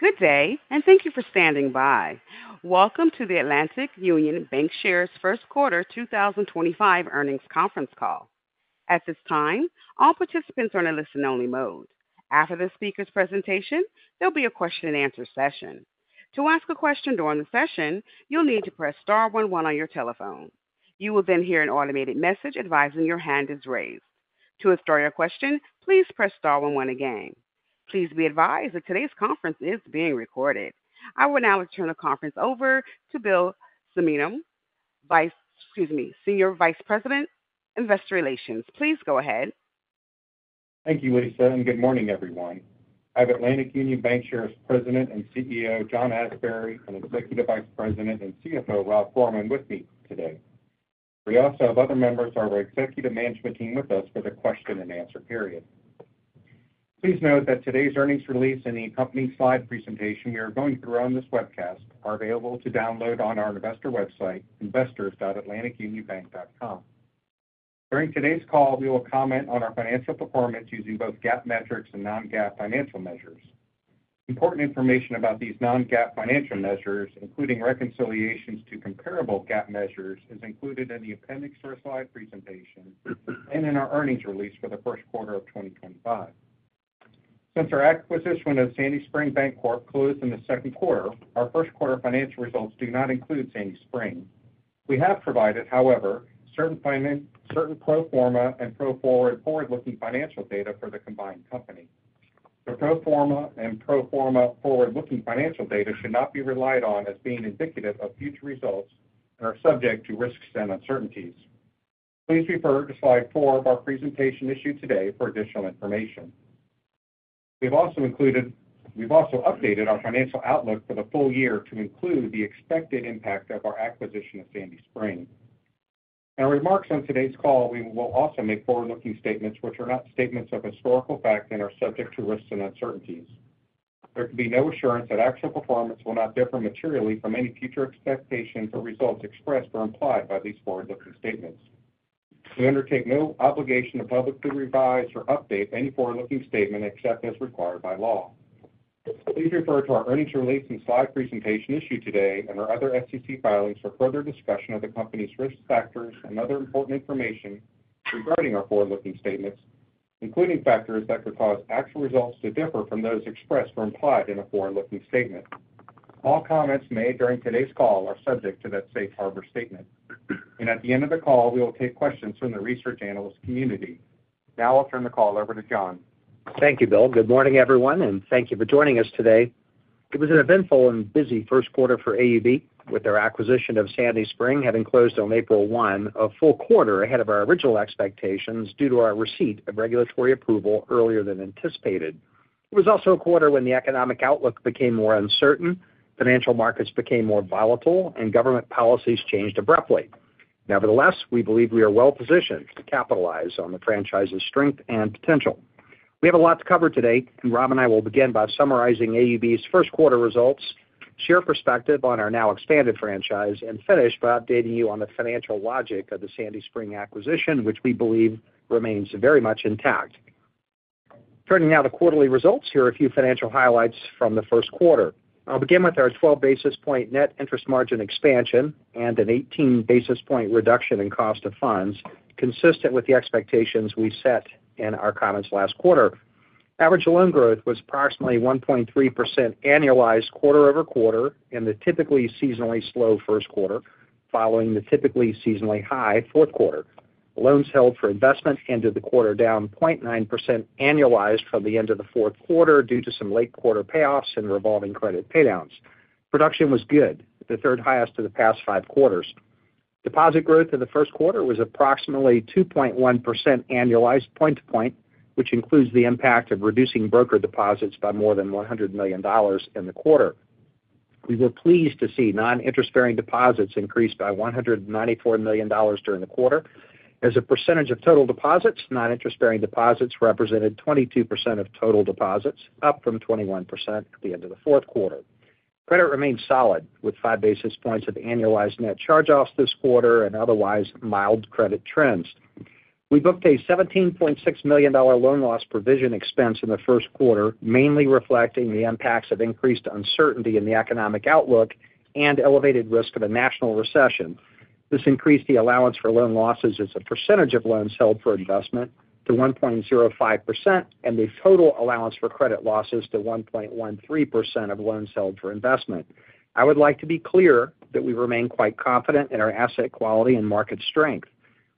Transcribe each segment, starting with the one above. Good day, and thank you for standing by. Welcome to the Atlantic Union Bankshares first quarter 2025 earnings conference call. At this time, all participants are in a listen-only mode. After the speaker's presentation, there'll be a question-and-answer session. To ask a question during the session, you'll need to press star one one on your telephone. You will then hear an automated message advising your hand is raised. To start your question, please press star one one again. Please be advised that today's conference is being recorded. I will now turn the conference over to Bill Cimino, Senior Vice President, Investor Relations. Please go ahead. Thank you, Lisa, and good morning, everyone. I have Atlantic Union Bankshares President and CEO John Asbury, and Executive Vice President and CFO Rob Gorman with me today. We also have other members of our executive management team with us for the question-and-answer period. Please note that today's earnings release and the company slide presentation we are going through on this webcast are available to download on our investor website, investors.atlanticunionbank.com. During today's call, we will comment on our financial performance using both GAAP metrics and non-GAAP financial measures. Important information about these non-GAAP financial measures, including reconciliations to comparable GAAP measures, is included in the appendix to our slide presentation and in our earnings release for the first quarter of 2025. Since our acquisition of Sandy Spring Bancorp closed in the second quarter, our first quarter financial results do not include Sandy Spring. We have provided, however, certain pro forma and forward-looking financial data for the combined company. The pro forma and pro forma forward-looking financial data should not be relied on as being indicative of future results and are subject to risks and uncertainties. Please refer to slide four of our presentation issued today for additional information. We've also updated our financial outlook for the full year to include the expected impact of our acquisition of Sandy Spring. In our remarks on today's call, we will also make forward-looking statements which are not statements of historical fact and are subject to risks and uncertainties. There can be no assurance that actual performance will not differ materially from any future expectations or results expressed or implied by these forward-looking statements. We undertake no obligation to publicly revise or update any forward-looking statement except as required by law. Please refer to our earnings release and slide presentation issued today and our other SEC filings for further discussion of the company's risk factors and other important information regarding our forward-looking statements, including factors that could cause actual results to differ from those expressed or implied in a forward-looking statement. All comments made during today's call are subject to that safe harbor statement. At the end of the call, we will take questions from the research analyst community. Now I'll turn the call over to John. Thank you, Bill. Good morning, everyone, and thank you for joining us today. It was an eventful and busy first quarter for Sandy Spring Bancorp, with their acquisition by Atlantic Union having closed on April 1, a full quarter ahead of our original expectations due to our receipt of regulatory approval earlier than anticipated. It was also a quarter when the economic outlook became more uncertain, financial markets became more volatile, and government policies changed abruptly. Nevertheless, we believe we are well positioned to capitalize on the franchise's strength and potential. We have a lot to cover today, and Rob and I will begin by summarizing Sandy Spring Bancorp's first quarter results, share perspective on our now expanded franchise, and finish by updating you on the financial logic of the Atlantic Union acquisition, which we believe remains very much intact. Turning now to quarterly results, here are a few financial highlights from the first quarter. I'll begin with our 12 basis point net interest margin expansion and an 18 basis point reduction in cost of funds, consistent with the expectations we set in our comments last quarter. Average loan growth was approximately 1.3% annualized quarter over quarter in the typically seasonally slow first quarter, following the typically seasonally high fourth quarter. Loans held for investment ended the quarter down 0.9% annualized from the end of the fourth quarter due to some late quarter payoffs and revolving credit paydowns. Production was good, the third highest of the past five quarters. Deposit growth in the first quarter was approximately 2.1% annualized point to point, which includes the impact of reducing broker deposits by more than $100 million in the quarter. We were pleased to see non-interest-bearing deposits increased by $194 million during the quarter. As a percentage of total deposits, non-interest-bearing deposits represented 22% of total deposits, up from 21% at the end of the fourth quarter. Credit remained solid, with five basis points of annualized net charge-offs this quarter and otherwise mild credit trends. We booked a $17.6 million loan loss provision expense in the first quarter, mainly reflecting the impacts of increased uncertainty in the economic outlook and elevated risk of a national recession. This increased the allowance for loan losses as a percentage of loans held for investment to 1.05% and the total allowance for credit losses to 1.13% of loans held for investment. I would like to be clear that we remain quite confident in our asset quality and market strength.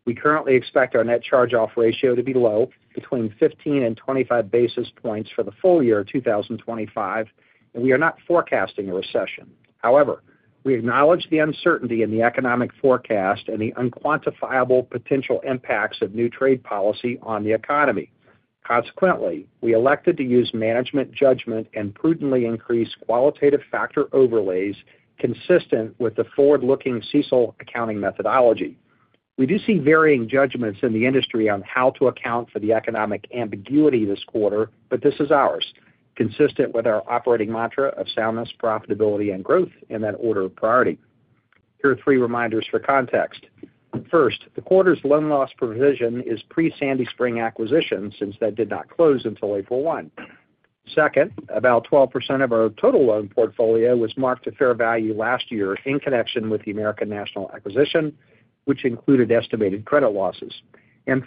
We currently expect our net charge-off ratio to be low, between 15 and 25 basis points for the full year of 2025, and we are not forecasting a recession. However, we acknowledge the uncertainty in the economic forecast and the unquantifiable potential impacts of new trade policy on the economy. Consequently, we elected to use management judgment and prudently increase qualitative factor overlays consistent with the forward-looking CECL accounting methodology. We do see varying judgments in the industry on how to account for the economic ambiguity this quarter, but this is ours, consistent with our operating mantra of soundness, profitability, and growth in that order of priority. Here are three reminders for context. First, the quarter's loan loss provision is pre-Sandy Spring acquisition since that did not close until April 1. Second, about 12% of our total loan portfolio was marked to fair value last year in connection with the American National acquisition, which included estimated credit losses.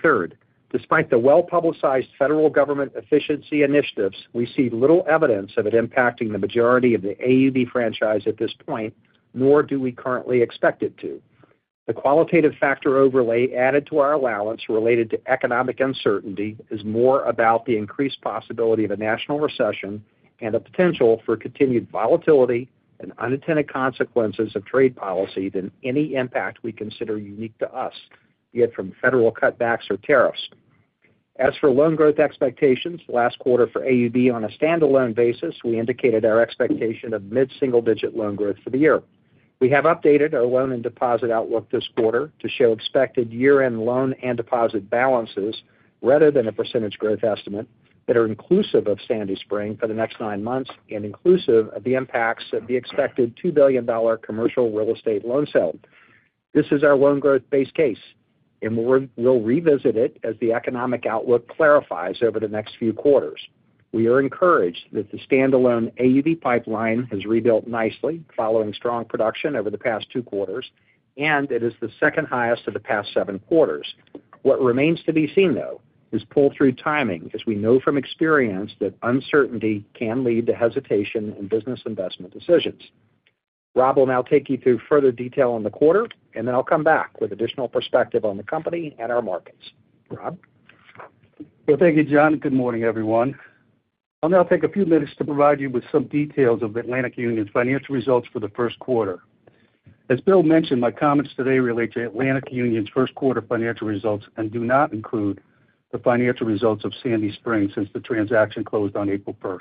Third, despite the well-publicized federal government efficiency initiatives, we see little evidence of it impacting the majority of the AUB franchise at this point, nor do we currently expect it to. The qualitative factor overlay added to our allowance related to economic uncertainty is more about the increased possibility of a national recession and the potential for continued volatility and unintended consequences of trade policy than any impact we consider unique to us, be it from federal cutbacks or tariffs. As for loan growth expectations, last quarter for AUB on a standalone basis, we indicated our expectation of mid-single-digit loan growth for the year. We have updated our loan and deposit outlook this quarter to show expected year-end loan and deposit balances rather than a percentage growth estimate that are inclusive of Sandy Spring for the next nine months and inclusive of the impacts of the expected $2 billion commercial real estate loan sale. This is our loan growth base case, and we'll revisit it as the economic outlook clarifies over the next few quarters. We are encouraged that the standalone AUB pipeline has rebuilt nicely following strong production over the past two quarters, and it is the second highest of the past seven quarters. What remains to be seen, though, is pull-through timing, as we know from experience that uncertainty can lead to hesitation in business investment decisions. Rob will now take you through further detail on the quarter, and then I'll come back with additional perspective on the company and our markets. Rob? Thank you, John. Good morning, everyone. I'll now take a few minutes to provide you with some details of Atlantic Union's financial results for the first quarter. As Bill mentioned, my comments today relate to Atlantic Union's first quarter financial results and do not include the financial results of Sandy Spring since the transaction closed on April 1.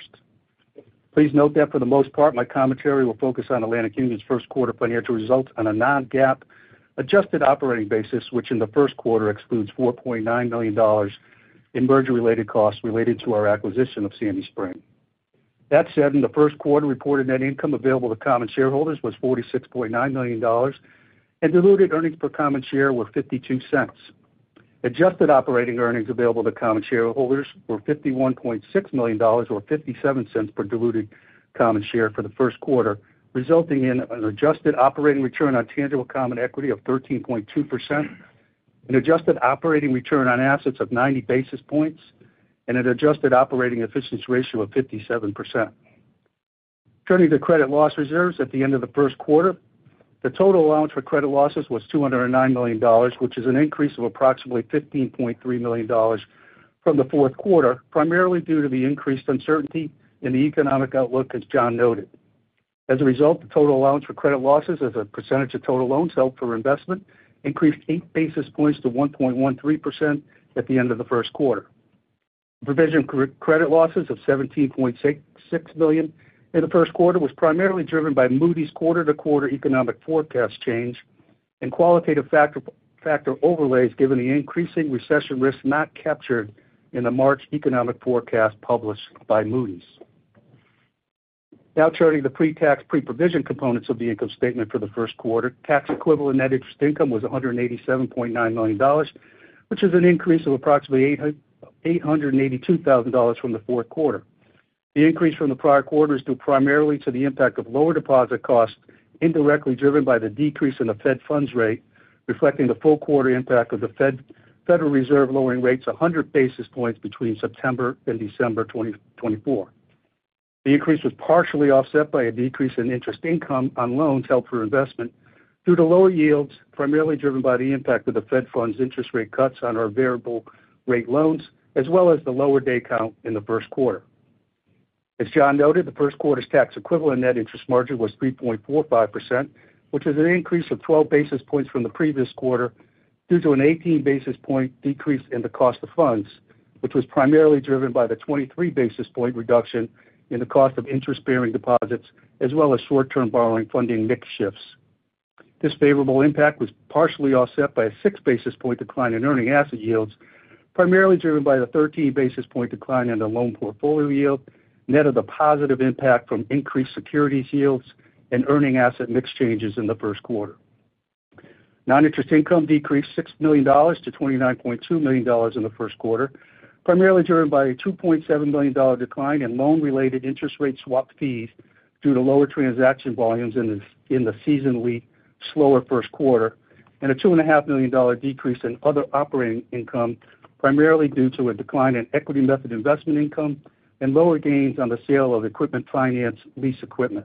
Please note that for the most part, my commentary will focus on Atlantic Union's first quarter financial results on a non-GAAP adjusted operating basis, which in the first quarter excludes $4.9 million in merger-related costs related to our acquisition of Sandy Spring. That said, in the first quarter, reported net income available to common shareholders was $46.9 million, and diluted earnings per common share were $0.52. Adjusted operating earnings available to common shareholders were $51.6 million or $0.57 per diluted common share for the first quarter, resulting in an adjusted operating return on tangible common equity of 13.2%, an adjusted operating return on assets of 90 basis points, and an adjusted operating efficiency ratio of 57%. Turning to credit loss reserves at the end of the first quarter, the total allowance for credit losses was $209 million, which is an increase of approximately $15.3 million from the fourth quarter, primarily due to the increased uncertainty in the economic outlook, as John noted. As a result, the total allowance for credit losses as a percentage of total loans held for investment increased eight basis points to 1.13% at the end of the first quarter. The provision for credit losses of $17.6 million in the first quarter was primarily driven by Moody's quarter-to-quarter economic forecast change and qualitative factor overlays given the increasing recession risk not captured in the March economic forecast published by Moody's. Now turning to the pre-tax, pre-provision components of the income statement for the first quarter, tax equivalent net interest income was $187.9 million, which is an increase of approximately $882,000 from the fourth quarter. The increase from the prior quarter is due primarily to the impact of lower deposit costs indirectly driven by the decrease in the Fed funds rate, reflecting the full quarter impact of the Federal Reserve lowering rates 100 basis points between September and December 2024. The increase was partially offset by a decrease in interest income on loans held for investment due to lower yields, primarily driven by the impact of the Fed funds interest rate cuts on our variable-rate loans, as well as the lower day count in the first quarter. As John noted, the first quarter's tax equivalent net interest margin was 3.45%, which is an increase of 12 basis points from the previous quarter due to an 18 basis point decrease in the cost of funds, which was primarily driven by the 23 basis point reduction in the cost of interest-bearing deposits, as well as short-term borrowing funding mix shifts. This favorable impact was partially offset by a six basis point decline in earning asset yields, primarily driven by the 13 basis point decline in the loan portfolio yield, net of the positive impact from increased securities yields and earning asset mix changes in the first quarter. Non-interest income decreased $6 million to $29.2 million in the first quarter, primarily driven by a $2.7 million decline in loan-related interest rate swap fees due to lower transaction volumes in the seasonally slower first quarter, and a $2.5 million decrease in other operating income, primarily due to a decline in equity method investment income and lower gains on the sale of equipment finance lease equipment.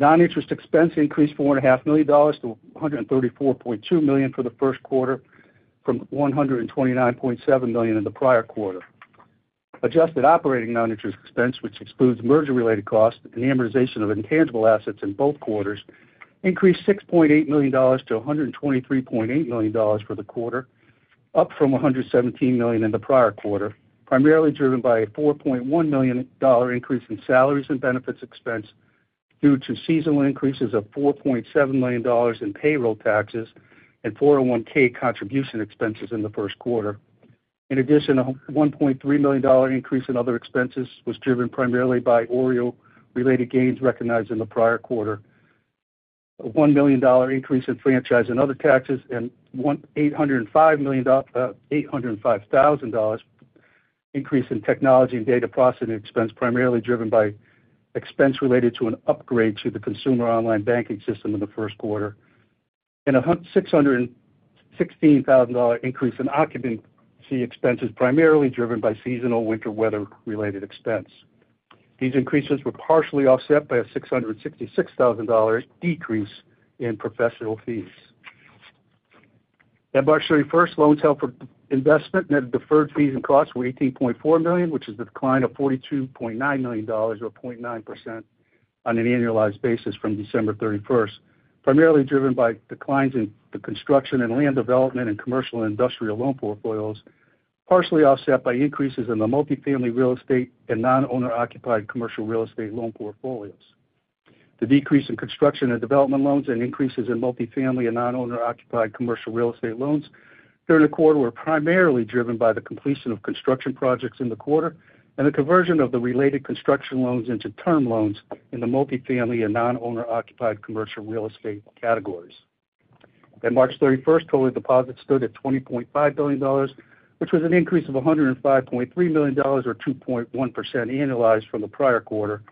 Non-interest expense increased $4.5 million to $134.2 million for the first quarter from $129.7 million in the prior quarter. Adjusted operating non-interest expense, which excludes merger-related costs and amortization of intangible assets in both quarters, increased $6.8 million to $123.8 million for the quarter, up from $117 million in the prior quarter, primarily driven by a $4.1 million increase in salaries and benefits expense due to seasonal increases of $4.7 million in payroll taxes and 401(k) contribution expenses in the first quarter. In addition, a $1.3 million increase in other expenses was driven primarily by OREO-related gains recognized in the prior quarter, a $1 million increase in franchise and other taxes, and an $805,000 increase in technology and data processing expense, primarily driven by expense related to an upgrade to the consumer online banking system in the first quarter, and a $616,000 increase in occupancy expenses, primarily driven by seasonal winter weather-related expense. These increases were partially offset by a $666,000 decrease in professional fees. At March 31, loans held for investment net deferred fees and costs were $18.4 million, which is a decline of $42.9 million or 0.9% on an annualized basis from December 31, primarily driven by declines in the construction and land development and commercial and industrial loan portfolios, partially offset by increases in the multifamily real estate and non-owner-occupied commercial real estate loan portfolios. The decrease in construction and development loans and increases in multifamily and non-owner-occupied commercial real estate loans during the quarter were primarily driven by the completion of construction projects in the quarter and the conversion of the related construction loans into term loans in the multifamily and non-owner-occupied commercial real estate categories. At March 31, total deposits stood at $20.5 billion, which was an increase of $105.3 million or 2.1% annualized from the prior quarter,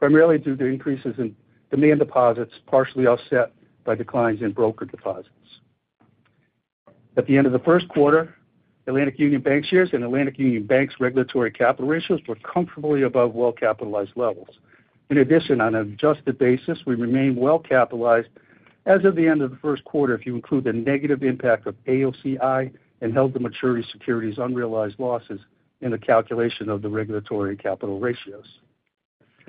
primarily due to increases in demand deposits partially offset by declines in broker deposits. At the end of the first quarter, Sandy Spring Bancorp and Sandy Spring Bank's regulatory capital ratios were comfortably above well-capitalized levels. In addition, on an adjusted basis, we remain well-capitalized as of the end of the first quarter if you include the negative impact of AOCI and held-to-maturity securities' unrealized losses in the calculation of the regulatory capital ratios.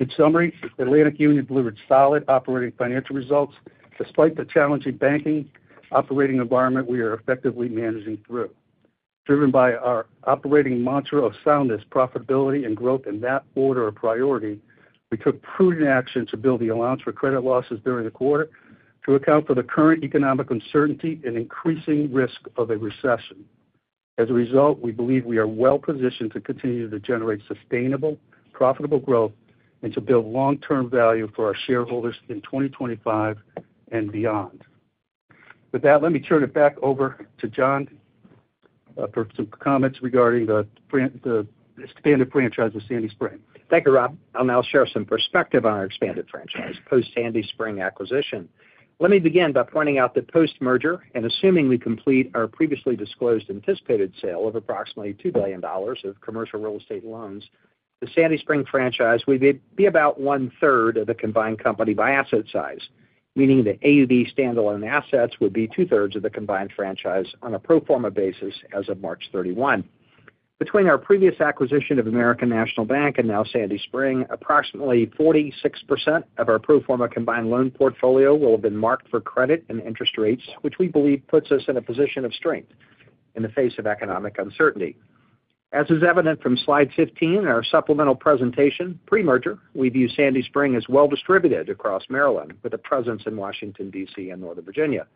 In summary, Sandy Spring delivered solid operating financial results despite the challenging banking operating environment we are effectively managing through. Driven by our operating mantra of soundness, profitability, and growth in that order of priority, we took prudent action to build the allowance for credit losses during the quarter to account for the current economic uncertainty and increasing risk of a recession. As a result, we believe we are well-positioned to continue to generate sustainable, profitable growth and to build long-term value for our shareholders in 2025 and beyond. With that, let me turn it back over to John for some comments regarding the expanded franchise of Sandy Spring. Thank you, Rob. I'll now share some perspective on our expanded franchise post-Sandy Spring acquisition. Let me begin by pointing out that post-merger, and assuming we complete our previously disclosed anticipated sale of approximately $2 billion of commercial real estate loans, the Sandy Spring franchise would be about one-third of the combined company by asset size, meaning the AUB standalone assets would be two-thirds of the combined franchise on a pro forma basis as of March 31. Between our previous acquisition of American National Bank and now Sandy Spring, approximately 46% of our pro forma combined loan portfolio will have been marked for credit and interest rates, which we believe puts us in a position of strength in the face of economic uncertainty. As is evident from slide 15 in our supplemental presentation, pre-merger, we view Sandy Spring as well-distributed across Maryland with a presence in Washington, D.C., and Northern Virginia.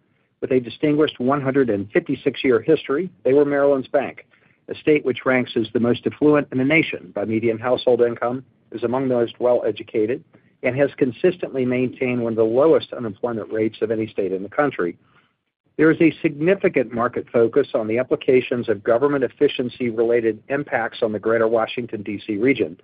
With a distinguished 156-year history, they were Maryland's bank, a state which ranks as the most affluent in the nation by median household income, is among the most well-educated, and has consistently maintained one of the lowest unemployment rates of any state in the country. There is a significant market focus on the applications of government efficiency-related impacts on the greater Washington, D.C. region.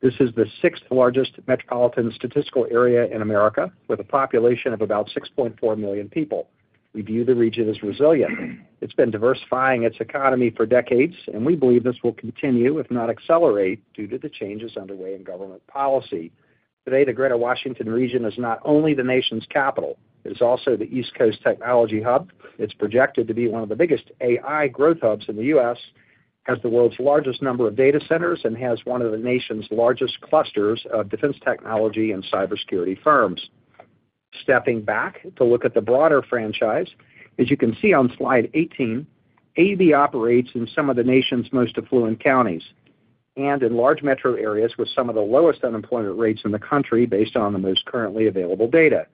This is the sixth-largest metropolitan statistical area in America with a population of about 6.4 million people. We view the region as resilient. It's been diversifying its economy for decades, and we believe this will continue, if not accelerate, due to the changes underway in government policy. Today, the greater Washington region is not only the nation's capital. It is also the East Coast technology hub. It's projected to be one of the biggest AI growth hubs in the U.S., has the world's largest number of data centers, and has one of the nation's largest clusters of defense technology and cybersecurity firms. Stepping back to look at the broader franchise, as you can see on slide 18, AUB operates in some of the nation's most affluent counties and in large metro areas with some of the lowest unemployment rates in the country based on the most currently available data.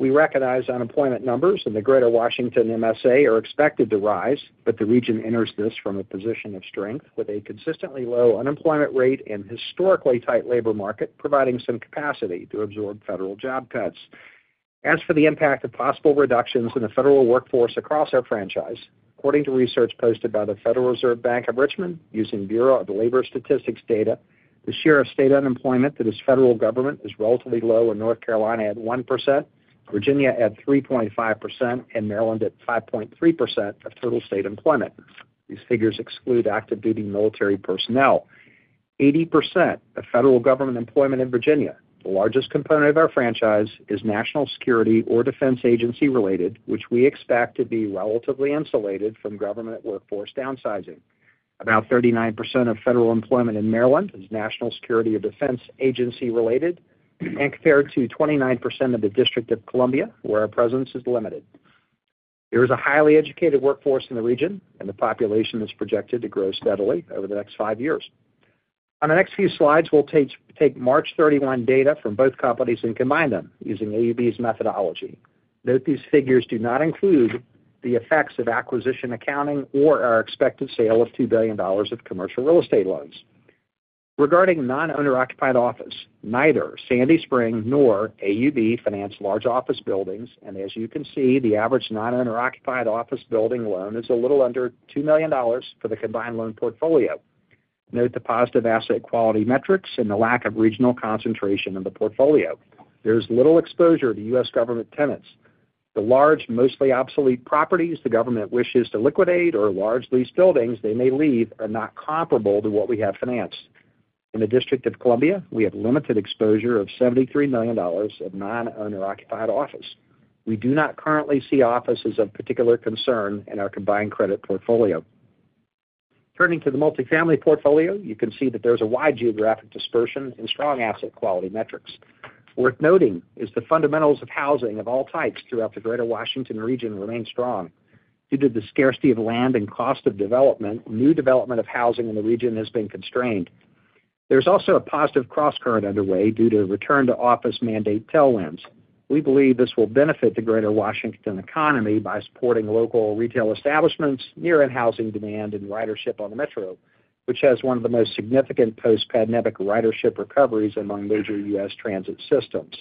We recognize unemployment numbers in the greater Washington MSA are expected to rise, but the region enters this from a position of strength with a consistently low unemployment rate and historically tight labor market providing some capacity to absorb federal job cuts. As for the impact of possible reductions in the federal workforce across our franchise, according to research posted by the Federal Reserve Bank of Richmond using Bureau of Labor Statistics data, the share of state unemployment that is federal government is relatively low in North Carolina at 1%, Virginia at 3.5%, and Maryland at 5.3% of total state employment. These figures exclude active-duty military personnel. 80% of federal government employment in Virginia, the largest component of our franchise, is national security or defense agency-related, which we expect to be relatively insulated from government workforce downsizing. About 39% of federal employment in Maryland is national security or defense agency-related, and compared to 29% of the District of Columbia, where our presence is limited. There is a highly educated workforce in the region, and the population is projected to grow steadily over the next five years. On the next few slides, we'll take March 31 data from both companies and combine them using AUB's methodology. Note these figures do not include the effects of acquisition accounting or our expected sale of $2 billion of commercial real estate loans. Regarding non-owner-occupied office, neither Sandy Spring nor AUB finance large office buildings, and as you can see, the average non-owner-occupied office building loan is a little under $2 million for the combined loan portfolio. Note the positive asset quality metrics and the lack of regional concentration in the portfolio. There is little exposure to U.S. government tenants. The large, mostly obsolete properties the government wishes to liquidate or large lease buildings they may leave are not comparable to what we have financed. In the District of Columbia, we have limited exposure of $73 million of non-owner-occupied office. We do not currently see offices of particular concern in our combined credit portfolio. Turning to the multifamily portfolio, you can see that there is a wide geographic dispersion and strong asset quality metrics. Worth noting is the fundamentals of housing of all types throughout the greater Washington region remain strong. Due to the scarcity of land and cost of development, new development of housing in the region has been constrained. There is also a positive cross-current underway due to return-to-office mandate tailwinds. We believe this will benefit the greater Washington economy by supporting local retail establishments, near-in-housing demand, and ridership on the metro, which has one of the most significant post-pandemic ridership recoveries among major U.S. transit systems.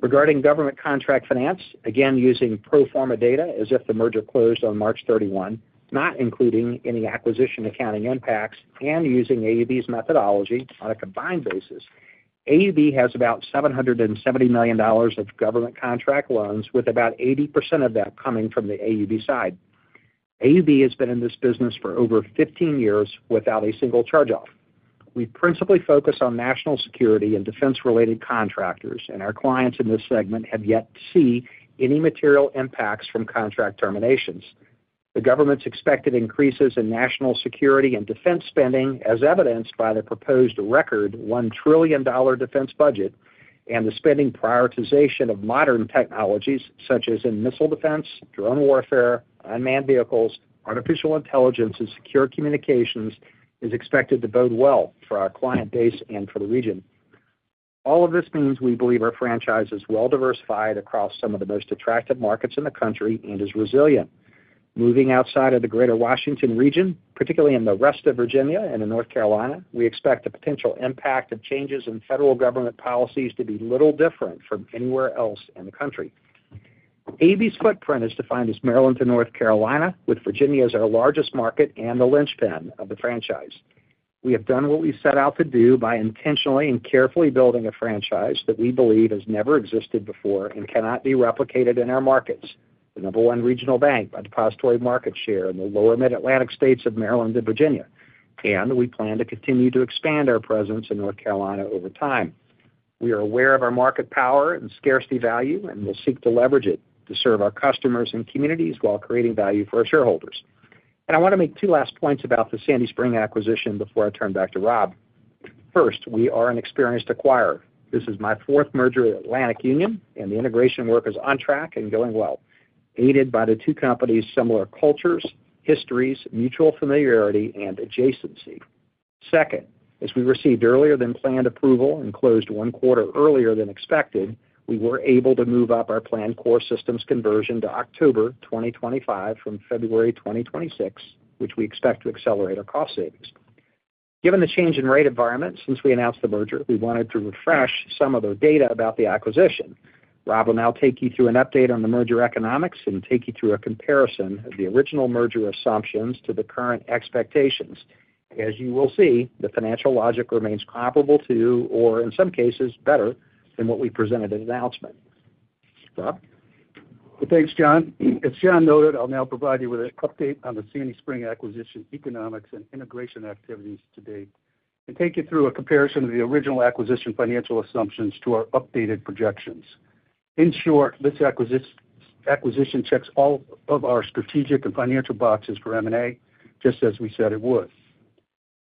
Regarding government contract finance, again using pro forma data as if the merger closed on March 31, not including any acquisition accounting impacts and using AUB's methodology on a combined basis, AUB has about $770 million of government contract loans, with about 80% of that coming from the AUB side. AUB has been in this business for over 15 years without a single charge-off. We principally focus on national security and defense-related contractors, and our clients in this segment have yet to see any material impacts from contract terminations. The government's expected increases in national security and defense spending, as evidenced by the proposed record $1 trillion defense budget and the spending prioritization of modern technologies such as in missile defense, drone warfare, unmanned vehicles, artificial intelligence, and secure communications, is expected to bode well for our client base and for the region. All of this means we believe our franchise is well-diversified across some of the most attractive markets in the country and is resilient. Moving outside of the greater Washington region, particularly in the rest of Virginia and in North Carolina, we expect the potential impact of changes in federal government policies to be little different from anywhere else in the country. AUB's footprint is defined as Maryland to North Carolina, with Virginia as our largest market and the linchpin of the franchise. We have done what we set out to do by intentionally and carefully building a franchise that we believe has never existed before and cannot be replicated in our markets, the number one regional bank by depository market share in the lower Mid-Atlantic states of Maryland and Virginia, and we plan to continue to expand our presence in North Carolina over time. We are aware of our market power and scarcity value and will seek to leverage it to serve our customers and communities while creating value for our shareholders. I want to make two last points about the Sandy Spring acquisition before I turn back to Rob. First, we are an experienced acquirer. This is my fourth merger at Atlantic Union, and the integration work is on track and going well, aided by the two companies' similar cultures, histories, mutual familiarity, and adjacency. Second, as we received earlier than planned approval and closed one quarter earlier than expected, we were able to move up our planned core systems conversion to October 2025 from February 2026, which we expect to accelerate our cost savings. Given the change in rate environment since we announced the merger, we wanted to refresh some of the data about the acquisition. Rob will now take you through an update on the merger economics and take you through a comparison of the original merger assumptions to the current expectations. As you will see, the financial logic remains comparable to, or in some cases, better than what we presented at announcement. Rob? Thanks, John. As John noted, I'll now provide you with an update on the Sandy Spring acquisition economics and integration activities to date and take you through a comparison of the original acquisition financial assumptions to our updated projections. In short, this acquisition checks all of our strategic and financial boxes for M&A, just as we said it would.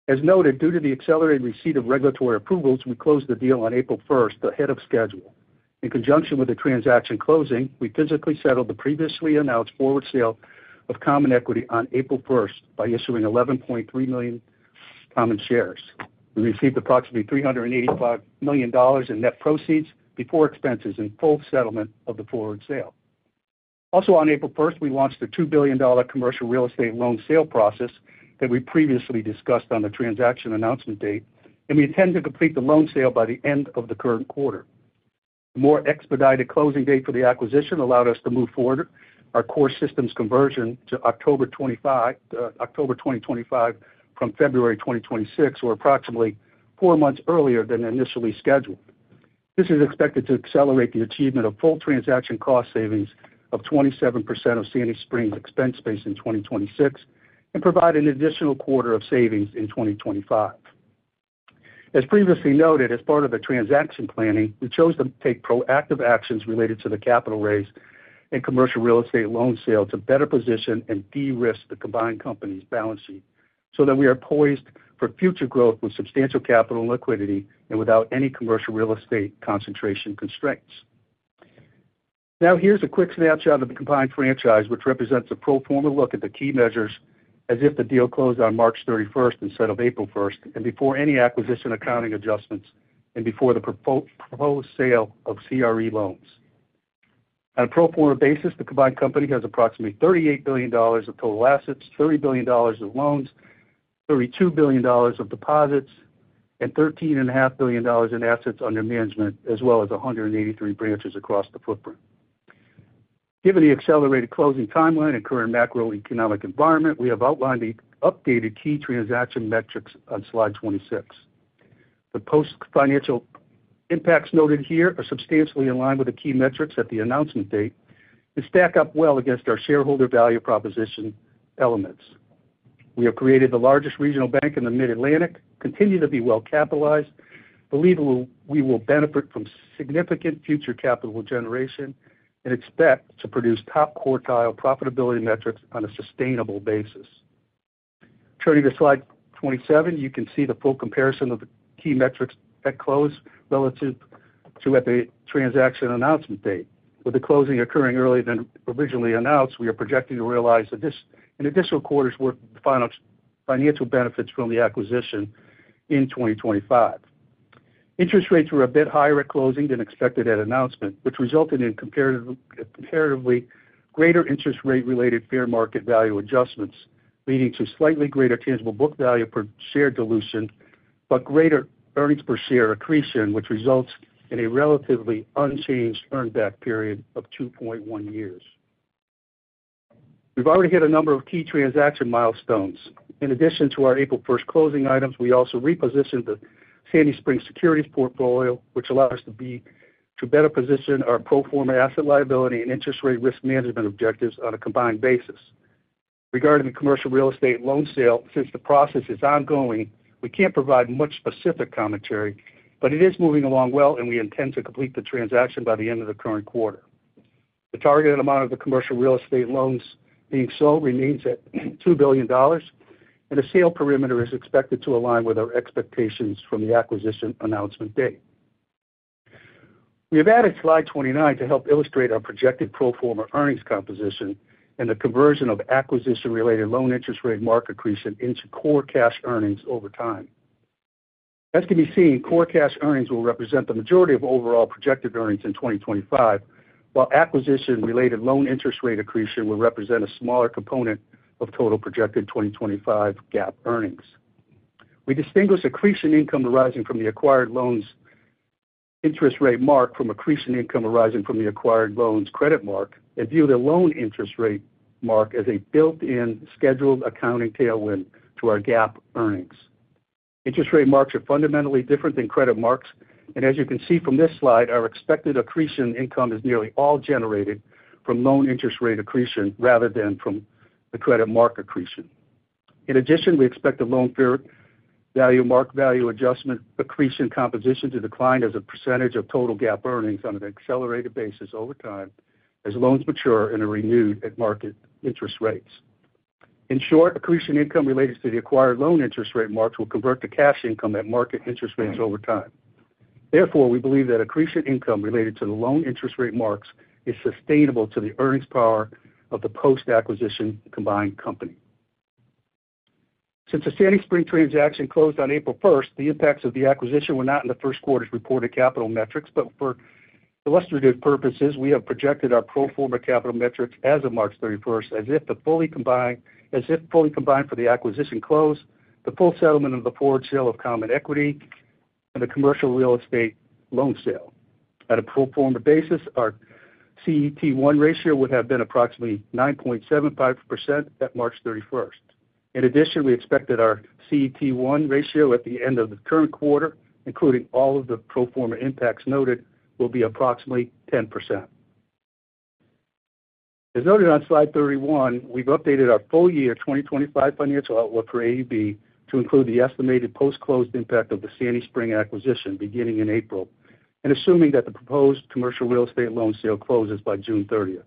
As noted, due to the accelerated receipt of regulatory approvals, we closed the deal on April 1 ahead of schedule. In conjunction with the transaction closing, we physically settled the previously announced forward sale of common equity on April 1 by issuing 11.3 million common shares. We received approximately $385 million in net proceeds before expenses in full settlement of the forward sale. Also, on April 1, we launched the $2 billion commercial real estate loan sale process that we previously discussed on the transaction announcement date, and we intend to complete the loan sale by the end of the current quarter. The more expedited closing date for the acquisition allowed us to move forward our core systems conversion to October 25 from February 2026, or approximately four months earlier than initially scheduled. This is expected to accelerate the achievement of full transaction cost savings of 27% of Sandy Spring's expense base in 2026 and provide an additional quarter of savings in 2025. As previously noted, as part of the transaction planning, we chose to take proactive actions related to the capital raise and commercial real estate loan sale to better position and de-risk the combined company's balance sheet so that we are poised for future growth with substantial capital and liquidity and without any commercial real estate concentration constraints. Now, here's a quick snapshot of the combined franchise, which represents a pro forma look at the key measures as if the deal closed on March 31 instead of April 1 and before any acquisition accounting adjustments and before the proposed sale of CRE loans. On a pro forma basis, the combined company has approximately $38 billion of total assets, $30 billion of loans, $32 billion of deposits, and $13.5 billion in assets under management, as well as 183 branches across the footprint. Given the accelerated closing timeline and current macroeconomic environment, we have outlined the updated key transaction metrics on slide 26. The post-financial impacts noted here are substantially aligned with the key metrics at the announcement date and stack up well against our shareholder value proposition elements. We have created the largest regional bank in the Mid-Atlantic, continue to be well capitalized, believe we will benefit from significant future capital generation, and expect to produce top quartile profitability metrics on a sustainable basis. Turning to slide 27, you can see the full comparison of the key metrics at close relative to at the transaction announcement date. With the closing occurring earlier than originally announced, we are projecting to realize an additional quarter's worth of the final financial benefits from the acquisition in 2025. Interest rates were a bit higher at closing than expected at announcement, which resulted in comparatively greater interest rate-related fair market value adjustments, leading to slightly greater tangible book value per share dilution, but greater earnings per share accretion, which results in a relatively unchanged earnback period of 2.1 years. We've already hit a number of key transaction milestones. In addition to our April 1 closing items, we also repositioned the Sandy Spring securities portfolio, which allows us to better position our pro forma asset liability and interest rate risk management objectives on a combined basis. Regarding the commercial real estate loan sale, since the process is ongoing, we can't provide much specific commentary, but it is moving along well, and we intend to complete the transaction by the end of the current quarter. The targeted amount of the commercial real estate loans being sold remains at $2 billion, and the sale perimeter is expected to align with our expectations from the acquisition announcement date. We have added slide 29 to help illustrate our projected pro forma earnings composition and the conversion of acquisition-related loan interest rate mark accretion into core cash earnings over time. As can be seen, core cash earnings will represent the majority of overall projected earnings in 2025, while acquisition-related loan interest rate accretion will represent a smaller component of total projected 2025 GAAP earnings. We distinguish accretion income arising from the acquired loans interest rate mark from accretion income arising from the acquired loans credit mark and view the loan interest rate mark as a built-in scheduled accounting tailwind to our GAAP earnings. Interest rate marks are fundamentally different than credit marks, and as you can see from this slide, our expected accretion income is nearly all generated from loan interest rate accretion rather than from the credit mark accretion. In addition, we expect the loan fair value mark value adjustment accretion composition to decline as a percentage of total gap earnings on an accelerated basis over time as loans mature and are renewed at market interest rates. In short, accretion income related to the acquired loan interest rate marks will convert to cash income at market interest rates over time. Therefore, we believe that accretion income related to the loan interest rate marks is sustainable to the earnings power of the post-acquisition combined company. Since the Sandy Spring transaction closed on April 1, the impacts of the acquisition were not in the first quarter's reported capital metrics. For illustrative purposes, we have projected our pro forma capital metrics as of March 31 as if fully combined for the acquisition close, the full settlement of the forward sale of common equity, and the commercial real estate loan sale. On a pro forma basis, our CET1 ratio would have been approximately 9.75% at March 31. In addition, we expect that our CET1 ratio at the end of the current quarter, including all of the pro forma impacts noted, will be approximately 10%. As noted on slide 31, we've updated our full year 2025 financial outlook for AUB to include the estimated post-closed impact of the Sandy Spring acquisition beginning in April, assuming that the proposed commercial real estate loan sale closes by June 30.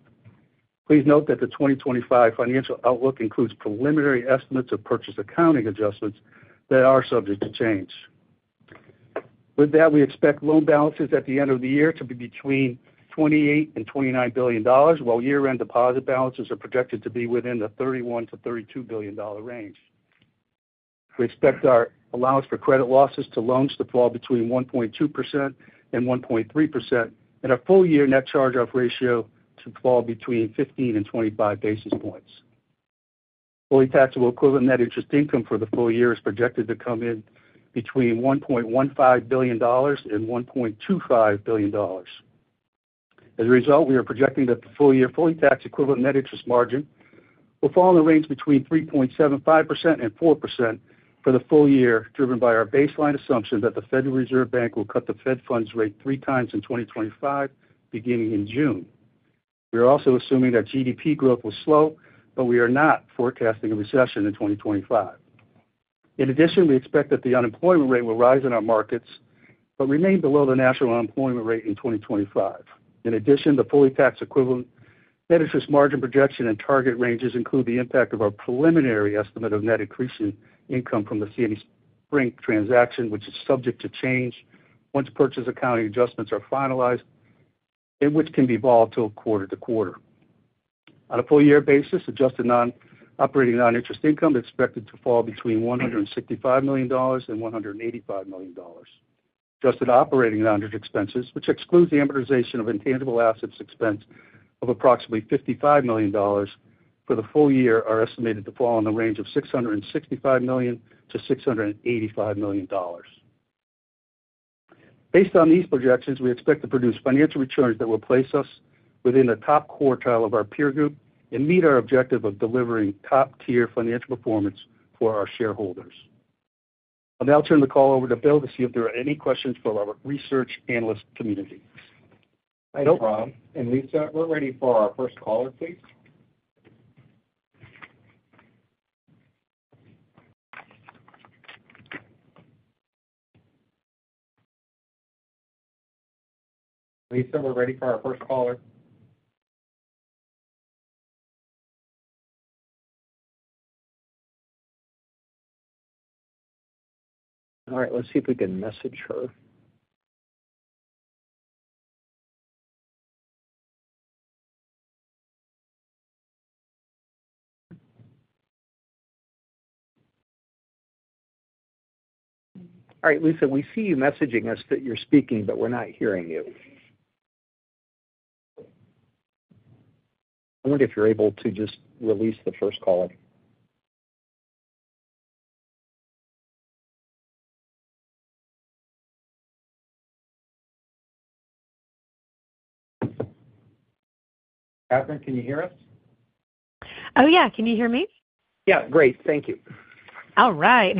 Please note that the 2025 financial outlook includes preliminary estimates of purchase accounting adjustments that are subject to change. With that, we expect loan balances at the end of the year to be between $28 billion and $29 billion, while year-end deposit balances are projected to be within the $31 billion-$32 billion range. We expect our allowance for credit losses to loans to fall between 1.2% and 1.3%, and our full year net charge-off ratio to fall between 15 and 25 basis points. Fully taxable equivalent net interest income for the full year is projected to come in between $1.15 billion and $1.25 billion. As a result, we are projecting that the full year fully taxed equivalent net interest margin will fall in the range between 3.75% and 4% for the full year, driven by our baseline assumption that the Federal Reserve Bank will cut the Fed funds rate three times in 2025, beginning in June. We are also assuming that GDP growth will slow, but we are not forecasting a recession in 2025. In addition, we expect that the unemployment rate will rise in our markets but remain below the national unemployment rate in 2025. In addition, the fully taxed equivalent net interest margin projection and target ranges include the impact of our preliminary estimate of net accretion income from the Sandy Spring transaction, which is subject to change once purchase accounting adjustments are finalized and which can be evolved to a quarter-to-quarter. On a full year basis, adjusted operating non-interest income is expected to fall between $165 million and $185 million. Adjusted operating non-interest expenses, which excludes the amortization of intangible assets expense of approximately $55 million for the full year, are estimated to fall in the range of $665 million-$685 million. Based on these projections, we expect to produce financial returns that will place us within the top quartile of our peer group and meet our objective of delivering top-tier financial performance for our shareholders. I'll now turn the call over to Bill to see if there are any questions for our research analyst community. Thanks, Rob. Lisa, we're ready for our first caller, please. Lisa, we're ready for our first caller. All right. Let's see if we can message her. All right, Lisa, we see you messaging us that you're speaking, but we're not hearing you. I wonder if you're able to just release the first caller. Catherine, can you hear us? Oh, yeah. Can you hear me? Yeah. Great. Thank you. All right.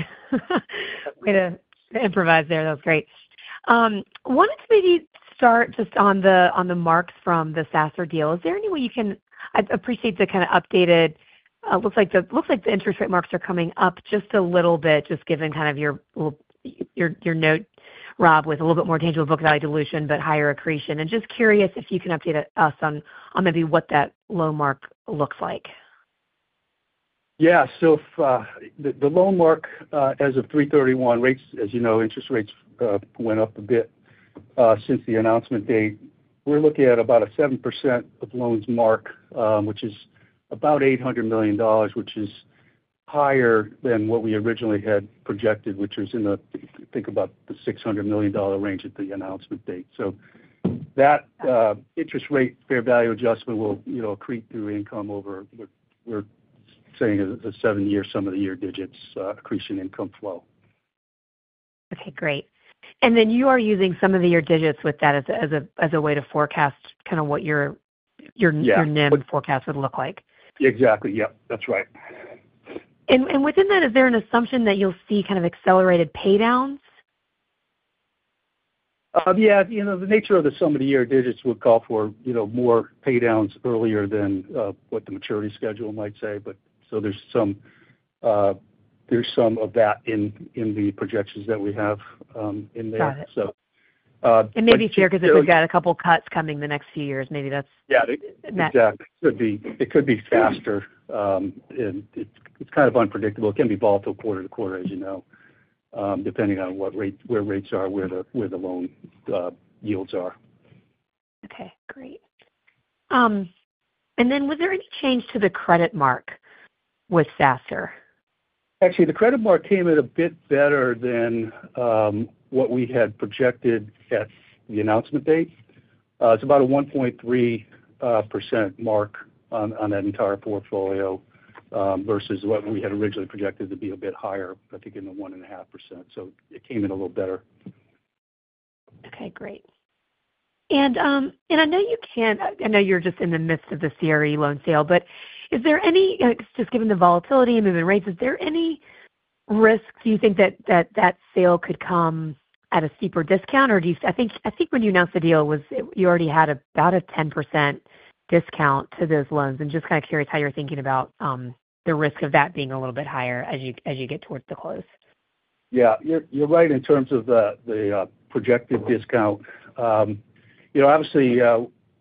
To improvise there. That was great. Wanted to maybe start just on the marks from the SASR deal. Is there any way you can—I appreciate the kind of updated—looks like the interest rate marks are coming up just a little bit, just given kind of your note, Rob, with a little bit more tangible book value dilution, but higher accretion. Just curious if you can update us on maybe what that loan mark looks like. Yeah. So the loan mark as of 3/31, rates, as you know, interest rates went up a bit since the announcement date. We're looking at about a 7% of loans mark, which is about $800 million, which is higher than what we originally had projected, which was in the—think about the $600 million range at the announcement date. So that interest rate fair value adjustment will accrete through income over, we're saying, a seven-year, sum-of-the-year-digits accretion income flow. Okay. Great. You are using sum-of-the-year-digits with that as a way to forecast kind of what your net forecast would look like. Yeah. Exactly. Yep. That's right. Within that, is there an assumption that you'll see kind of accelerated paydowns? Yeah. The nature of the sum of the year digits would call for more paydowns earlier than what the maturity schedule might say. There is some of that in the projections that we have in there. Got it. Maybe here because we've got a couple of cuts coming the next few years. Maybe that's. Yeah. Exactly. It could be faster. It's kind of unpredictable. It can be volatile quarter to quarter, as you know, depending on where rates are, where the loan yields are. Okay. Great. Was there any change to the credit mark with SASR? Actually, the credit mark came in a bit better than what we had projected at the announcement date. It's about a 1.3% mark on that entire portfolio versus what we had originally projected to be a bit higher, I think, in the 1.5%. It came in a little better. Okay. Great. I know you're just in the midst of the CRE loan sale, but is there any—just given the volatility and moving rates, is there any risk you think that that sale could come at a steeper discount? I think when you announced the deal, you already had about a 10% discount to those loans. I'm just kind of curious how you're thinking about the risk of that being a little bit higher as you get towards the close. Yeah. You're right in terms of the projected discount. Obviously,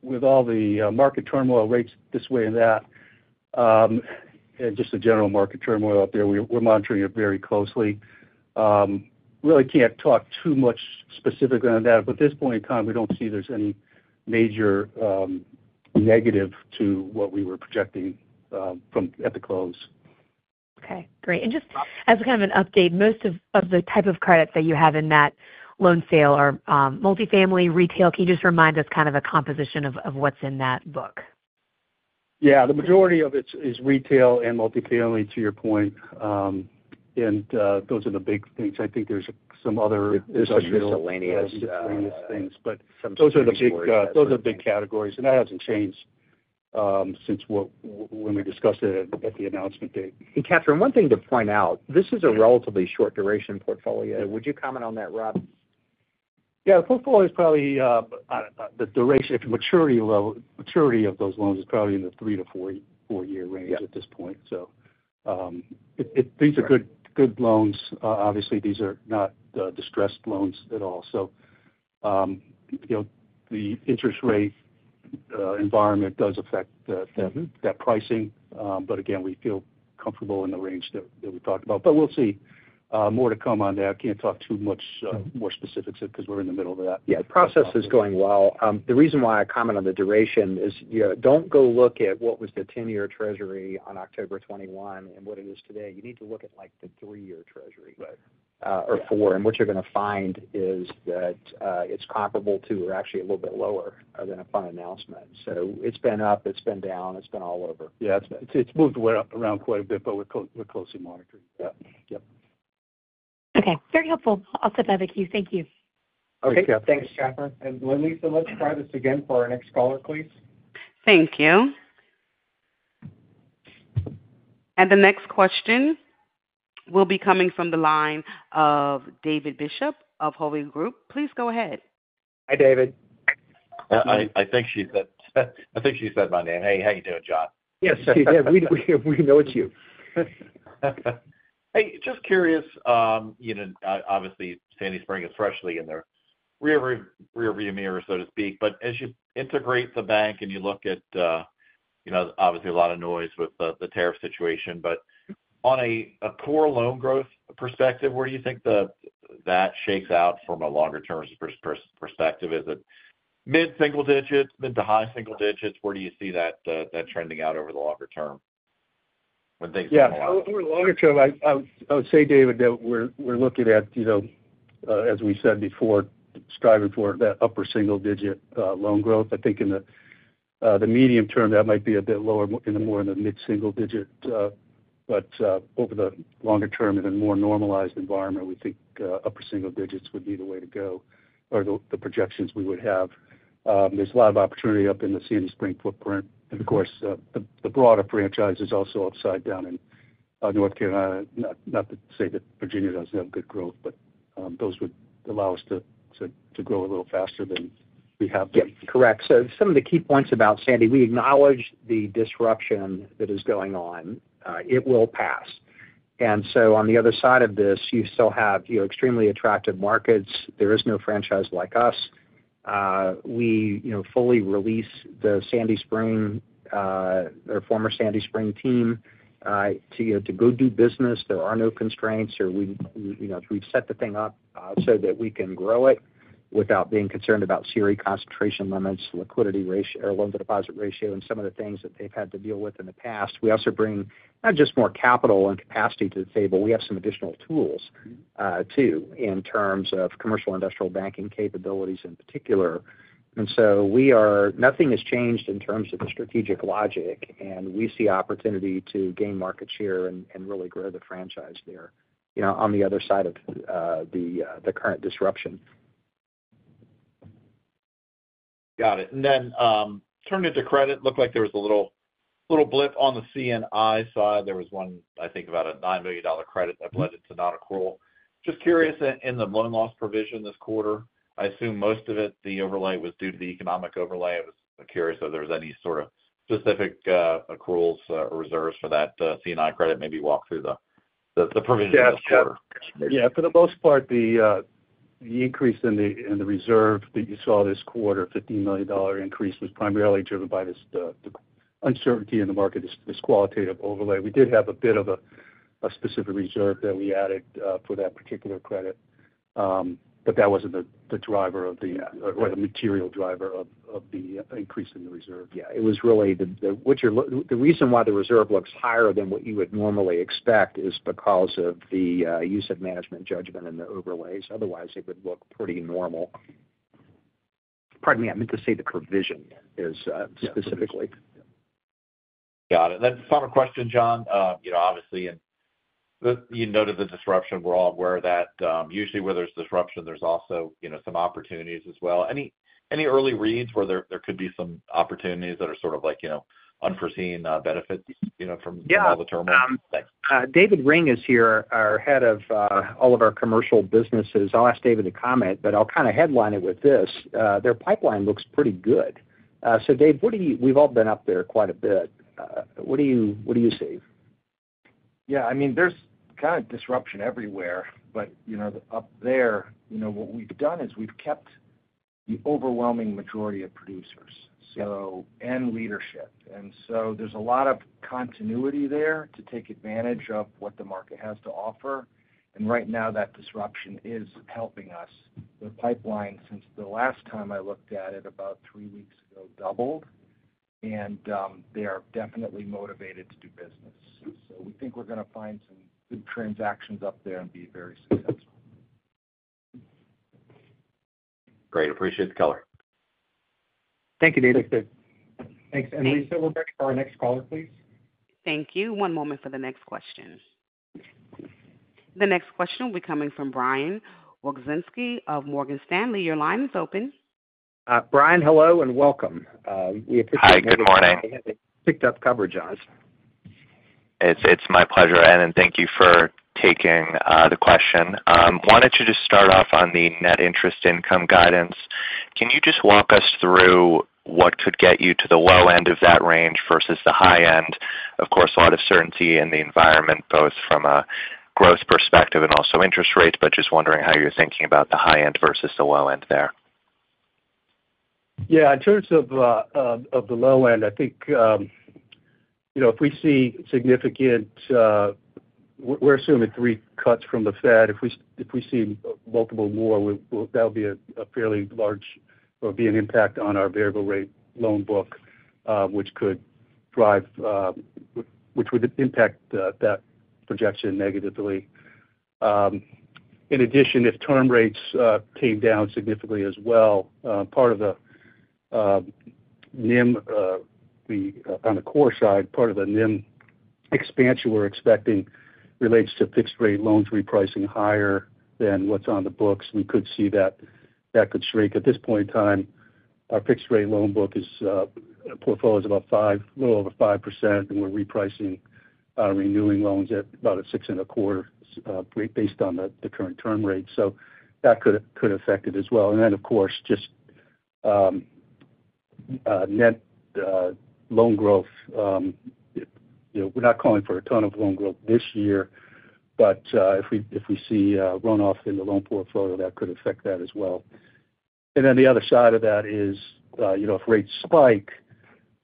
with all the market turmoil, rates this way and that, and just the general market turmoil out there, we're monitoring it very closely. Really can't talk too much specifically on that. At this point in time, we don't see there's any major negative to what we were projecting at the close. Okay. Great. Just as kind of an update, most of the type of credits that you have in that loan sale are multifamily, retail. Can you just remind us kind of the composition of what's in that book? Yeah. The majority of it is retail and multifamily, to your point. Those are the big things. I think there's some other— Some miscellaneous. Those are the big categories. That has not changed since when we discussed it at the announcement date. Catherine, one thing to point out, this is a relatively short-duration portfolio. Would you comment on that, Rob? Yeah. The portfolio is probably the duration, maturity of those loans is probably in the three to four-year range at this point. These are good loans. Obviously, these are not distressed loans at all. The interest rate environment does affect that pricing. Again, we feel comfortable in the range that we talked about. We will see. More to come on that. I cannot talk too much more specifics because we are in the middle of that. Yeah. The process is going well. The reason why I comment on the duration is do not go look at what was the 10-year Treasury on October 21 and what it is today. You need to look at the three-year Treasury or four. And what you are going to find is that it is comparable to or actually a little bit lower than upon announcement. It has been up. It has been down. It has been all over. Yeah. It's moved around quite a bit, but we're closely monitoring. Yep. Yep. Okay. Very helpful. I'll step out of the queue. Thank you. Okay. Thanks, Catherine. Lisa, let's try this again for our next caller, please. Thank you. The next question will be coming from the line of David Bishop of Hovde Group. Please go ahead. Hi, David. I think she said—I think she said my name. Hey, how you doing, John? Yes. Yeah. We know it's you. Hey, just curious. Obviously, Sandy Spring is freshly in their rearview mirror, so to speak. As you integrate the bank and you look at obviously a lot of noise with the tariff situation, on a core loan growth perspective, where do you think that shakes out from a longer-term perspective? Is it mid-single digits, mid to high single digits? Where do you see that trending out over the longer term when things get a lot? Yeah. Over the longer term, I would say, David, that we're looking at, as we said before, striving for that upper single-digit loan growth. I think in the medium term, that might be a bit lower, more in the mid-single digit. Over the longer term and in a more normalized environment, we think upper single digits would be the way to go or the projections we would have. There's a lot of opportunity up in the Sandy Spring footprint. Of course, the broader franchise is also upside down in North Carolina. Not to say that Virginia doesn't have good growth, but those would allow us to grow a little faster than we have been. Yep. Correct. Some of the key points about Sandy, we acknowledge the disruption that is going on. It will pass. On the other side of this, you still have extremely attractive markets. There is no franchise like us. We fully release the Sandy Spring, our former Sandy Spring team, to go do business. There are no constraints. We've set the thing up so that we can grow it without being concerned about CRE concentration limits, liquidity ratio, or loan-to-deposit ratio, and some of the things that they've had to deal with in the past. We also bring not just more capital and capacity to the table. We have some additional tools too in terms of commercial industrial banking capabilities in particular. Nothing has changed in terms of the strategic logic. We see opportunity to gain market share and really grow the franchise there on the other side of the current disruption. Got it. Turning to credit, looked like there was a little blip on the C&I side. There was one, I think, about a $9 million credit that led it to non-accrual. Just curious, in the loan loss provision this quarter, I assume most of it, the overlay was due to the economic overlay. I was curious if there was any sort of specific accruals or reserves for that C&I credit. Maybe walk through the provision this quarter. Yeah. For the most part, the increase in the reserve that you saw this quarter, $15 million increase, was primarily driven by the uncertainty in the market, this qualitative overlay. We did have a bit of a specific reserve that we added for that particular credit, but that was not the driver or the material driver of the increase in the reserve. Yeah. It was really the reason why the reserve looks higher than what you would normally expect is because of the use of management judgment and the overlays. Otherwise, it would look pretty normal. Pardon me. I meant to say the provision is specifically. Got it. Final question, John. Obviously, you noted the disruption. We're all aware that usually where there's disruption, there's also some opportunities as well. Any early reads where there could be some opportunities that are sort of unforeseen benefits from all the turmoil? Yeah. David Ring is here, our head of all of our commercial businesses. I'll ask David to comment, but I'll kind of headline it with this. Their pipeline looks pretty good. Dave, we've all been up there quite a bit. What do you see? Yeah. I mean, there's kind of disruption everywhere. Up there, what we've done is we've kept the overwhelming majority of producers and leadership. There is a lot of continuity there to take advantage of what the market has to offer. Right now, that disruption is helping us. The pipeline, since the last time I looked at it about three weeks ago, doubled. They are definitely motivated to do business. We think we're going to find some good transactions up there and be very successful. Great. Appreciate the color. Thank you, David. Thanks, Dave. Thanks. Lisa, we'll go to our next caller, please. Thank you. One moment for the next question. The next question will be coming from Brian Wilczynski of Morgan Stanley. Your line is open. Brian, hello and welcome. We appreciate you being here. Hi. Good morning. Picked up coverage, John. It's my pleasure, and thank you for taking the question. Wanted to just start off on the net interest income guidance. Can you just walk us through what could get you to the low end of that range versus the high end? Of course, a lot of certainty in the environment, both from a growth perspective and also interest rates, but just wondering how you're thinking about the high end versus the low end there. Yeah. In terms of the low end, I think if we see significant—we're assuming three cuts from the Fed. If we see multiple more, that would be a fairly large—there would be an impact on our variable rate loan book, which would impact that projection negatively. In addition, if term rates came down significantly as well, part of the NIM on the core side, part of the NIM expansion we're expecting relates to fixed-rate loans repricing higher than what's on the books. We could see that could shrink. At this point in time, our fixed-rate loan book portfolio is a little over 5%. And we're repricing our renewing loans at about a six and a quarter based on the current term rate. That could affect it as well. Of course, just net loan growth. We're not calling for a ton of loan growth this year, but if we see runoff in the loan portfolio, that could affect that as well. The other side of that is if rates spike,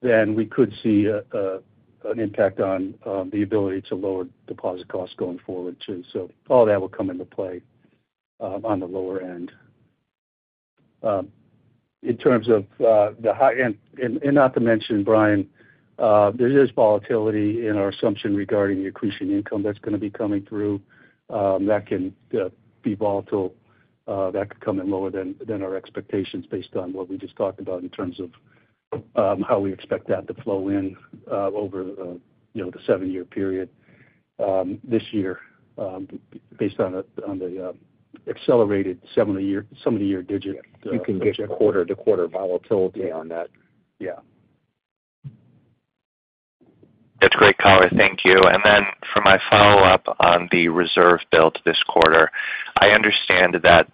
we could see an impact on the ability to lower deposit costs going forward too. All that will come into play on the lower end. In terms of the high end, and not to mention, Brian, there is volatility in our assumption regarding the accretion income that's going to be coming through. That can be volatile. That could come in lower than our expectations based on what we just talked about in terms of how we expect that to flow in over the seven-year period this year based on the accelerated seven-year digits. You can get quarter-to-quarter volatility on that. Yeah. That's great, color. Thank you. For my follow-up on the reserve build this quarter, I understand that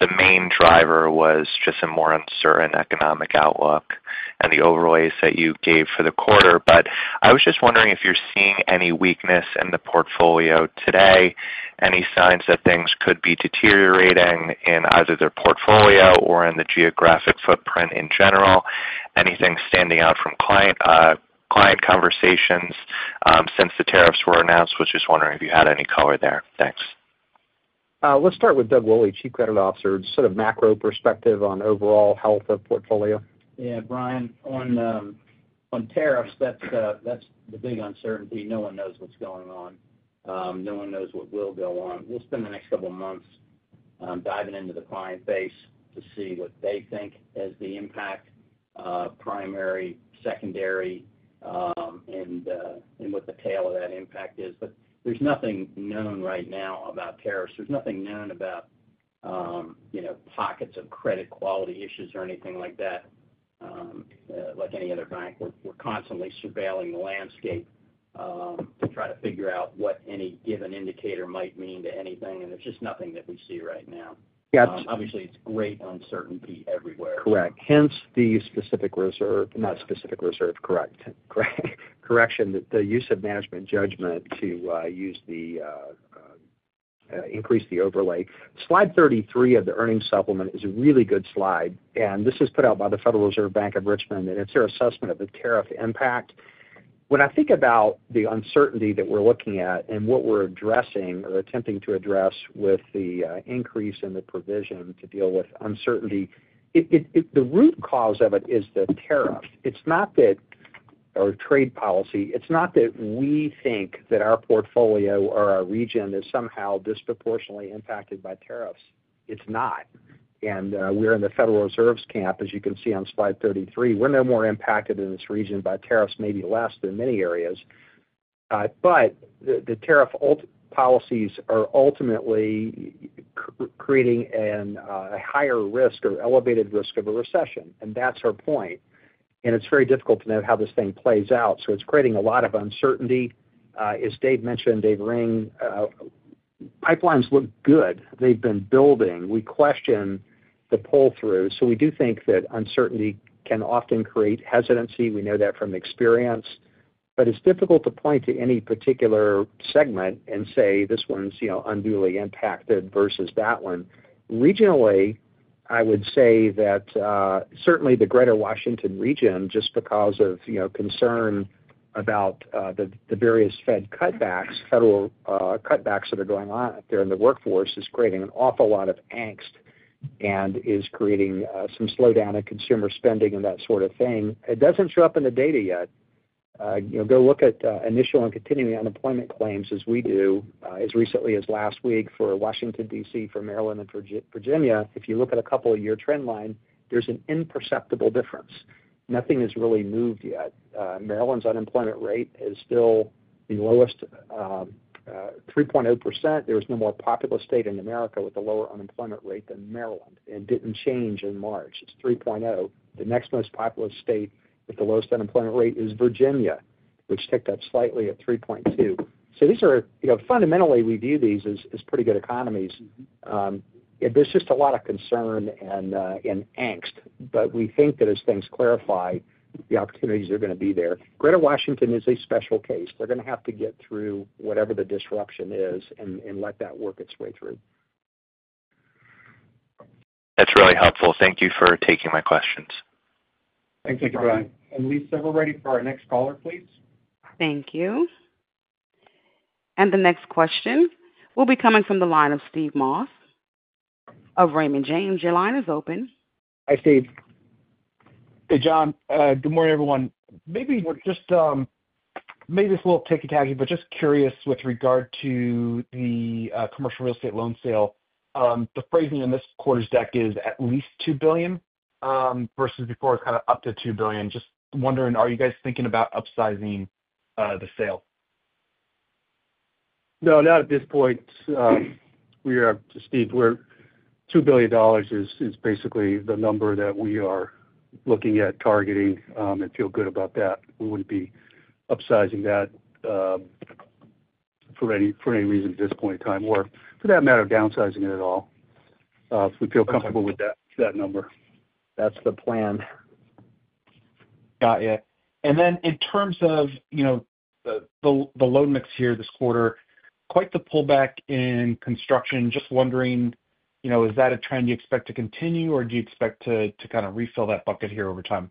the main driver was just a more uncertain economic outlook and the overlays that you gave for the quarter. I was just wondering if you're seeing any weakness in the portfolio today, any signs that things could be deteriorating in either the portfolio or in the geographic footprint in general, anything standing out from client conversations since the tariffs were announced. I was just wondering if you had any color there. Thanks. Let's start with Doug Woolley, Chief Credit Officer. Just sort of macro perspective on overall health of portfolio. Yeah. Brian, on tariffs, that's the big uncertainty. No one knows what's going on. No one knows what will go on. We'll spend the next couple of months diving into the client base to see what they think is the impact: primary, secondary, and what the tail of that impact is. There's nothing known right now about tariffs. There's nothing known about pockets of credit quality issues or anything like that, like any other bank. We're constantly surveilling the landscape to try to figure out what any given indicator might mean to anything. There's just nothing that we see right now. Obviously, it's great uncertainty everywhere. Correct. Hence the specific reserve. Not specific reserve. Correction. The use of management judgment to increase the overlay. Slide 33 of the earnings supplement is a really good slide. This is put out by the Federal Reserve Bank of Richmond. It is their assessment of the tariff impact. When I think about the uncertainty that we're looking at and what we're addressing or attempting to address with the increase in the provision to deal with uncertainty, the root cause of it is the tariff. It's not that our trade policy, it's not that we think that our portfolio or our region is somehow disproportionately impacted by tariffs. It's not. We are in the Federal Reserve's camp, as you can see on slide 33. We are no more impacted in this region by tariffs, maybe less than many areas. The tariff policies are ultimately creating a higher risk or elevated risk of a recession. That is our point. It is very difficult to know how this thing plays out. It is creating a lot of uncertainty. As Dave mentioned, Dave Ring, pipelines look good. They have been building. We question the pull-through. We do think that uncertainty can often create hesitancy. We know that from experience. It is difficult to point to any particular segment and say, "This one is unduly impacted versus that one." Regionally, I would say that certainly the Greater Washington region, just because of concern about the various federal cutbacks that are going on out there in the workforce, is creating an awful lot of angst and is creating some slowdown in consumer spending and that sort of thing. It does not show up in the data yet. Go look at initial and continuing unemployment claims as we do, as recently as last week for Washington, D.C., for Maryland, and for Virginia. If you look at a couple-year trend line, there's an imperceptible difference. Nothing has really moved yet. Maryland's unemployment rate is still the lowest 3.0%. There is no more populous state in America with a lower unemployment rate than Maryland. It did not change in March. It is 3.0%. The next most populous state with the lowest unemployment rate is Virginia, which ticked up slightly at 3.2%. These are fundamentally, we view these as pretty good economies. There is just a lot of concern and angst. We think that as things clarify, the opportunities are going to be there. Greater Washington is a special case. They are going to have to get through whatever the disruption is and let that work its way through. That's really helpful. Thank you for taking my questions. Thank you, Brian. Lisa, we're ready for our next caller, please. Thank you. The next question will be coming from the line of Steve Moss of Raymond James. Your line is open. Hi, Steve. Hey, John. Good morning, everyone. Maybe this will take a tag, but just curious with regard to the commercial real estate loan sale. The phrasing in this quarter's deck is at least $2 billion versus before it was kind of up to $2 billion. Just wondering, are you guys thinking about upsizing the sale? No, not at this point. Steve, $2 billion is basically the number that we are looking at targeting. And feel good about that. We would not be upsizing that for any reason at this point in time or, for that matter, downsizing it at all. We feel comfortable with that number. That's the plan. Got you. In terms of the loan mix here this quarter, quite the pullback in construction. Just wondering, is that a trend you expect to continue, or do you expect to kind of refill that bucket here over time?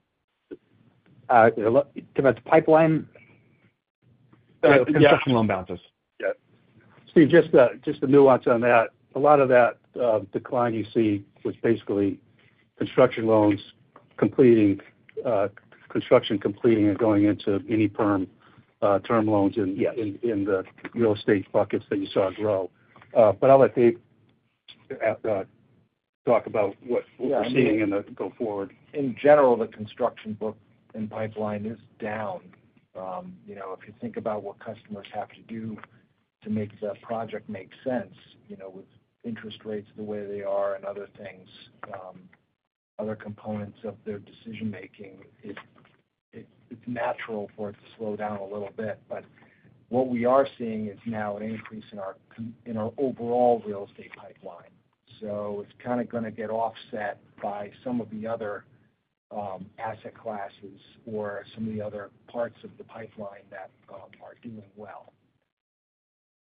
Too much pipeline? Yeah. Construction loan balances. Yeah. Steve, just a nuance on that. A lot of that decline you see was basically construction loans completing, construction completing and going into any term loans in the real estate buckets that you saw grow. I will let Dave talk about what we are seeing in the go forward. In general, the construction book and pipeline is down. If you think about what customers have to do to make the project make sense with interest rates the way they are and other things, other components of their decision-making, it's natural for it to slow down a little bit. What we are seeing is now an increase in our overall real estate pipeline. It's kind of going to get offset by some of the other asset classes or some of the other parts of the pipeline that are doing well.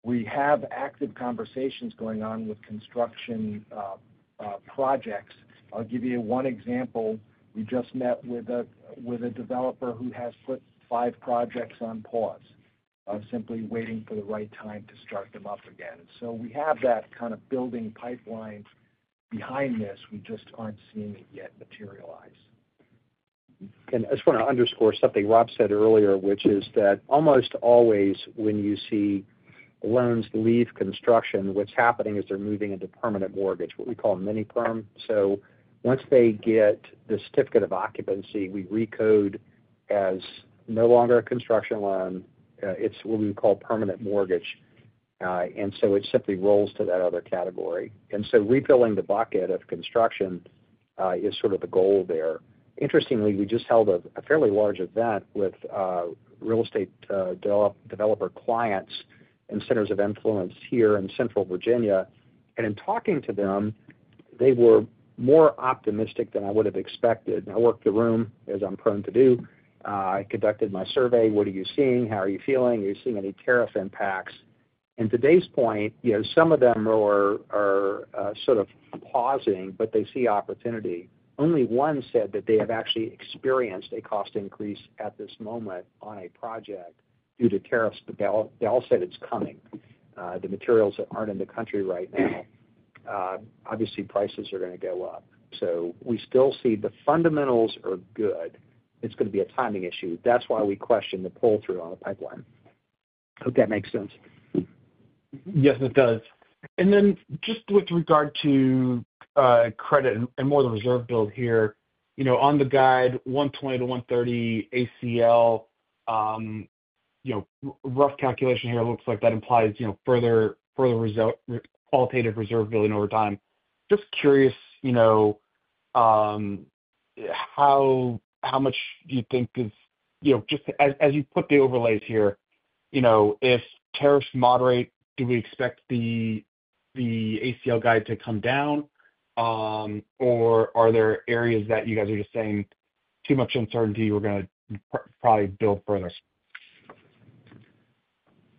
We have active conversations going on with construction projects. I'll give you one example. We just met with a developer who has put five projects on pause, simply waiting for the right time to start them up again. We have that kind of building pipeline behind this. We just aren't seeing it yet materialize. I just want to underscore something Rob said earlier, which is that almost always when you see loans leave construction, what's happening is they're moving into permanent mortgage, what we call mini-perm. Once they get the certificate of occupancy, we recode as no longer a construction loan. It's what we call permanent mortgage. It simply rolls to that other category. Refilling the bucket of construction is sort of the goal there. Interestingly, we just held a fairly large event with real estate developer clients and centers of influence here in Central Virginia. In talking to them, they were more optimistic than I would have expected. I worked the room, as I'm prone to do. I conducted my survey. What are you seeing? How are you feeling? Are you seeing any tariff impacts? To Dave's point, some of them are sort of pausing, but they see opportunity. Only one said that they have actually experienced a cost increase at this moment on a project due to tariffs. They all said it's coming. The materials that aren't in the country right now, obviously, prices are going to go up. We still see the fundamentals are good. It's going to be a timing issue. That's why we question the pull-through on the pipeline. I hope that makes sense. Yes, it does. And then just with regard to credit and more of the reserve build here, on the guide, 120-130 ACL, rough calculation here looks like that implies further qualitative reserve building over time. Just curious how much do you think is just as you put the overlays here, if tariffs moderate, do we expect the ACL guide to come down, or are there areas that you guys are just saying too much uncertainty, we're going to probably build further?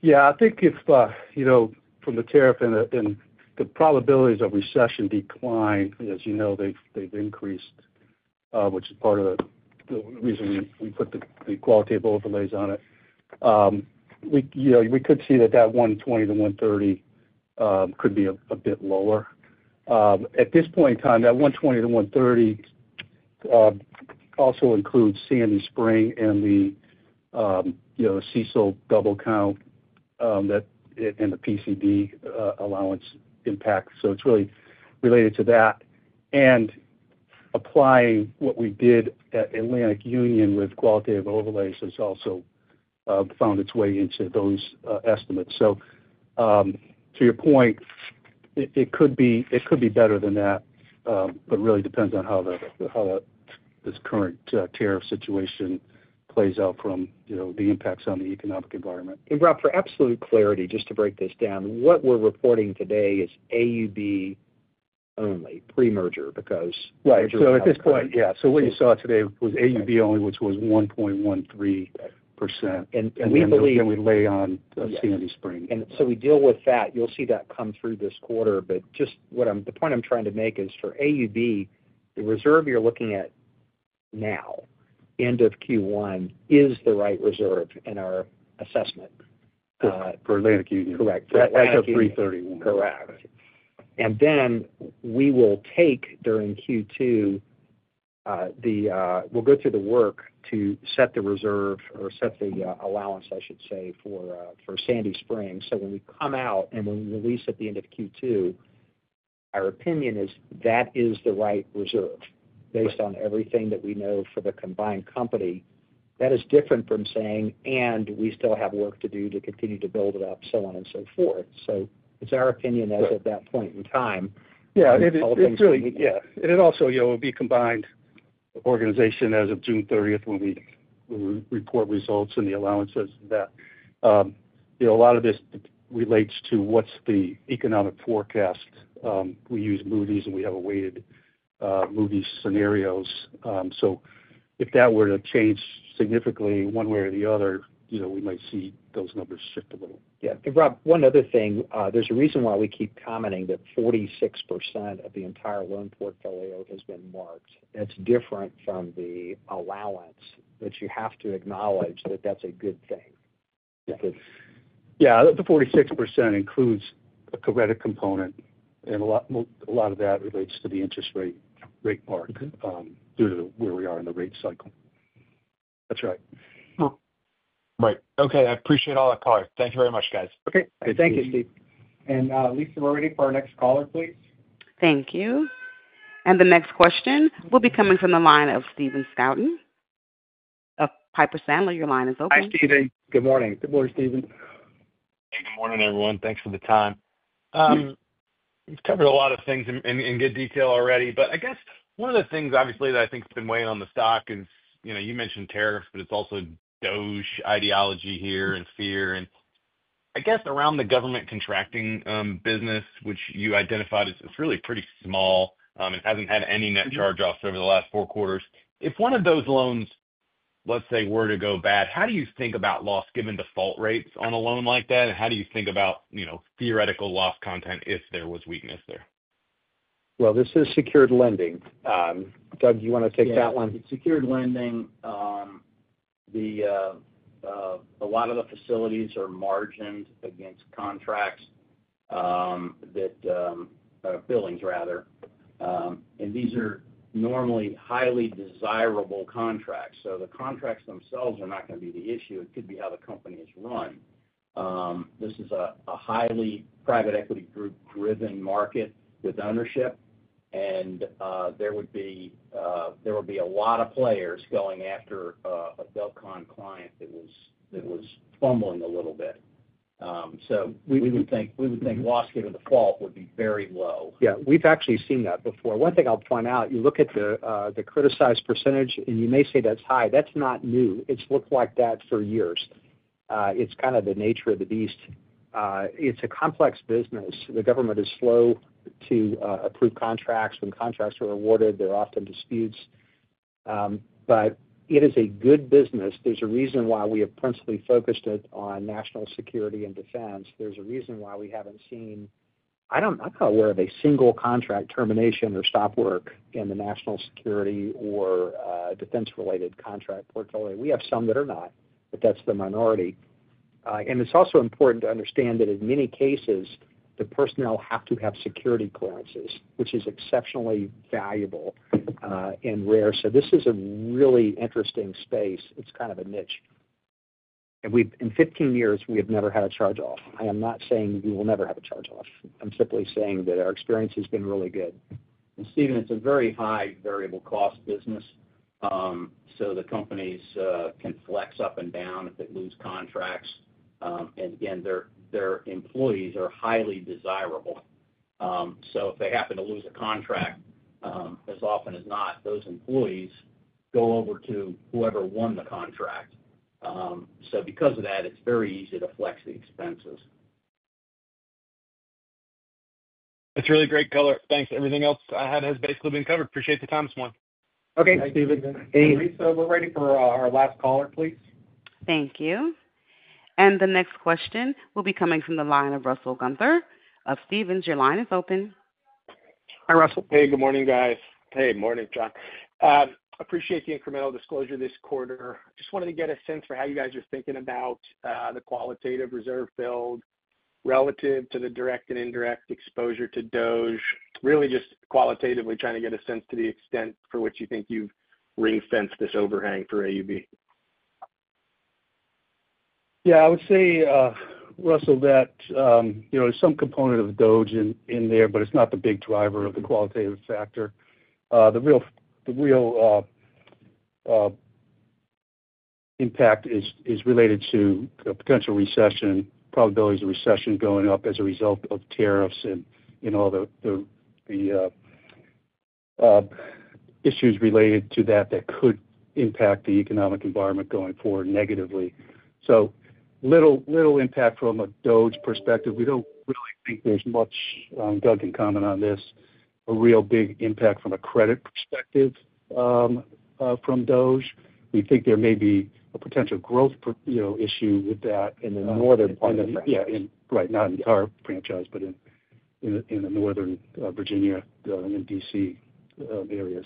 Yeah. I think from the tariff and the probabilities of recession decline, as you know, they've increased, which is part of the reason we put the qualitative overlays on it. We could see that that 120-130 could be a bit lower. At this point in time, that 120-130 also includes Sandy Spring and the CECL double count and the PCD allowance impact. It is really related to that. Applying what we did at Atlantic Union with qualitative overlays has also found its way into those estimates. To your point, it could be better than that, but it really depends on how this current tariff situation plays out from the impacts on the economic environment. Rob, for absolute clarity, just to break this down, what we're reporting today is AUB only, pre-merger, because. Right. At this point, yeah. What you saw today was AUB only, which was 1.13%. We believe- Then we lay on Sandy Spring. We deal with that. You'll see that come through this quarter. The point I'm trying to make is for AUB, the reserve you're looking at now, end of Q1, is the right reserve in our assessment. For Atlantic Union. Correct. At the 3/31. Correct. We will take during Q2, we'll go through the work to set the reserve or set the allowance, I should say, for Sandy Spring. When we come out and when we release at the end of Q2, our opinion is that is the right reserve based on everything that we know for the combined company. That is different from saying, "And we still have work to do to continue to build it up," so on and so forth. It is our opinion as of that point in time. It also will be combined organization as of June 30 when we report results and the allowances and that. A lot of this relates to what is the economic forecast. We use Moody's, and we have weighted Moody's scenarios. If that were to change significantly one way or the other, we might see those numbers shift a little. Yeah. Rob, one other thing. There is a reason why we keep commenting that 46% of the entire loan portfolio has been marked. That is different from the allowance, but you have to acknowledge that is a good thing. Yeah. The 46% includes a corrected component. A lot of that relates to the interest rate mark due to where we are in the rate cycle. That's right. Right. Okay. I appreciate all the calls. Thank you very much, guys. Okay. Thank you, Steve. Lisa, we're ready for our next caller, please. Thank you. The next question will be coming from the line of Stephen Scouten of Piper Sandler. Your line is open. Hi, Stephen. Good morning. Good morning, Stephen. Hey, good morning, everyone. Thanks for the time. We've covered a lot of things in good detail already. I guess one of the things, obviously, that I think has been weighing on the stock is you mentioned tariffs, but it's also DOGE ideology here and fear. I guess around the government contracting business, which you identified as it's really pretty small and hasn't had any net charge-offs over the last four quarters. If one of those loans, let's say, were to go bad, how do you think about loss given default rates on a loan like that? How do you think about theoretical loss content if there was weakness there? This is secured lending. Doug, do you want to take that one? Yeah. It's secured lending. A lot of the facilities are margined against contracts that are billings, rather. And these are normally highly desirable contracts. So the contracts themselves are not going to be the issue. It could be how the company is run. This is a highly private equity group-driven market with ownership. There would be a lot of players going after a GovCon client that was fumbling a little bit. We would think loss given default would be very low. Yeah. We've actually seen that before. One thing I'll point out, you look at the criticized percentage, and you may say that's high. That's not new. It's looked like that for years. It's kind of the nature of the beast. It's a complex business. The government is slow to approve contracts. When contracts are awarded, there are often disputes. It is a good business. There's a reason why we have principally focused it on national security and defense. There's a reason why we haven't seen—I am not aware of a single contract termination or stop work in the national security or defense-related contract portfolio. We have some that are not, but that's the minority. It's also important to understand that in many cases, the personnel have to have security clearances, which is exceptionally valuable and rare. This is a really interesting space. It's kind of a niche. In 15 years, we have never had a charge-off. I am not saying we will never have a charge-off. I'm simply saying that our experience has been really good. Stephen, it's a very high variable cost business. The companies can flex up and down if they lose contracts. Their employees are highly desirable. If they happen to lose a contract, as often as not, those employees go over to whoever won the contract. Because of that, it's very easy to flex the expenses. That's really great color. Thanks. Everything else I had has basically been covered. Appreciate the time this morning. Okay. Stephen. Lisa, we're ready for our last caller, please. Thank you. The next question will be coming from the line of Russell Gunther of Stephens. Your line is open. Hi, Russell. Hey, good morning, guys. Hey, morning, John. Appreciate the incremental disclosure this quarter. Just wanted to get a sense for how you guys are thinking about the qualitative reserve build relative to the direct and indirect exposure to DOGE, really just qualitatively trying to get a sense to the extent for which you think you've ring-fenced this overhang for AUB. Yeah. I would say, Russell, that there's some component of D.C. in there, but it's not the big driver of the qualitative factor. The real impact is related to potential recession, probabilities of recession going up as a result of tariffs and all the issues related to that that could impact the economic environment going forward negatively. Little impact from a D.C. perspective. We don't really think there's much, Doug, in comment on this, a real big impact from a credit perspective from D.C. We think there may be a potential growth issue with that in the northern part. Not in our franchise, but in the Northern Virginia and D.C. areas.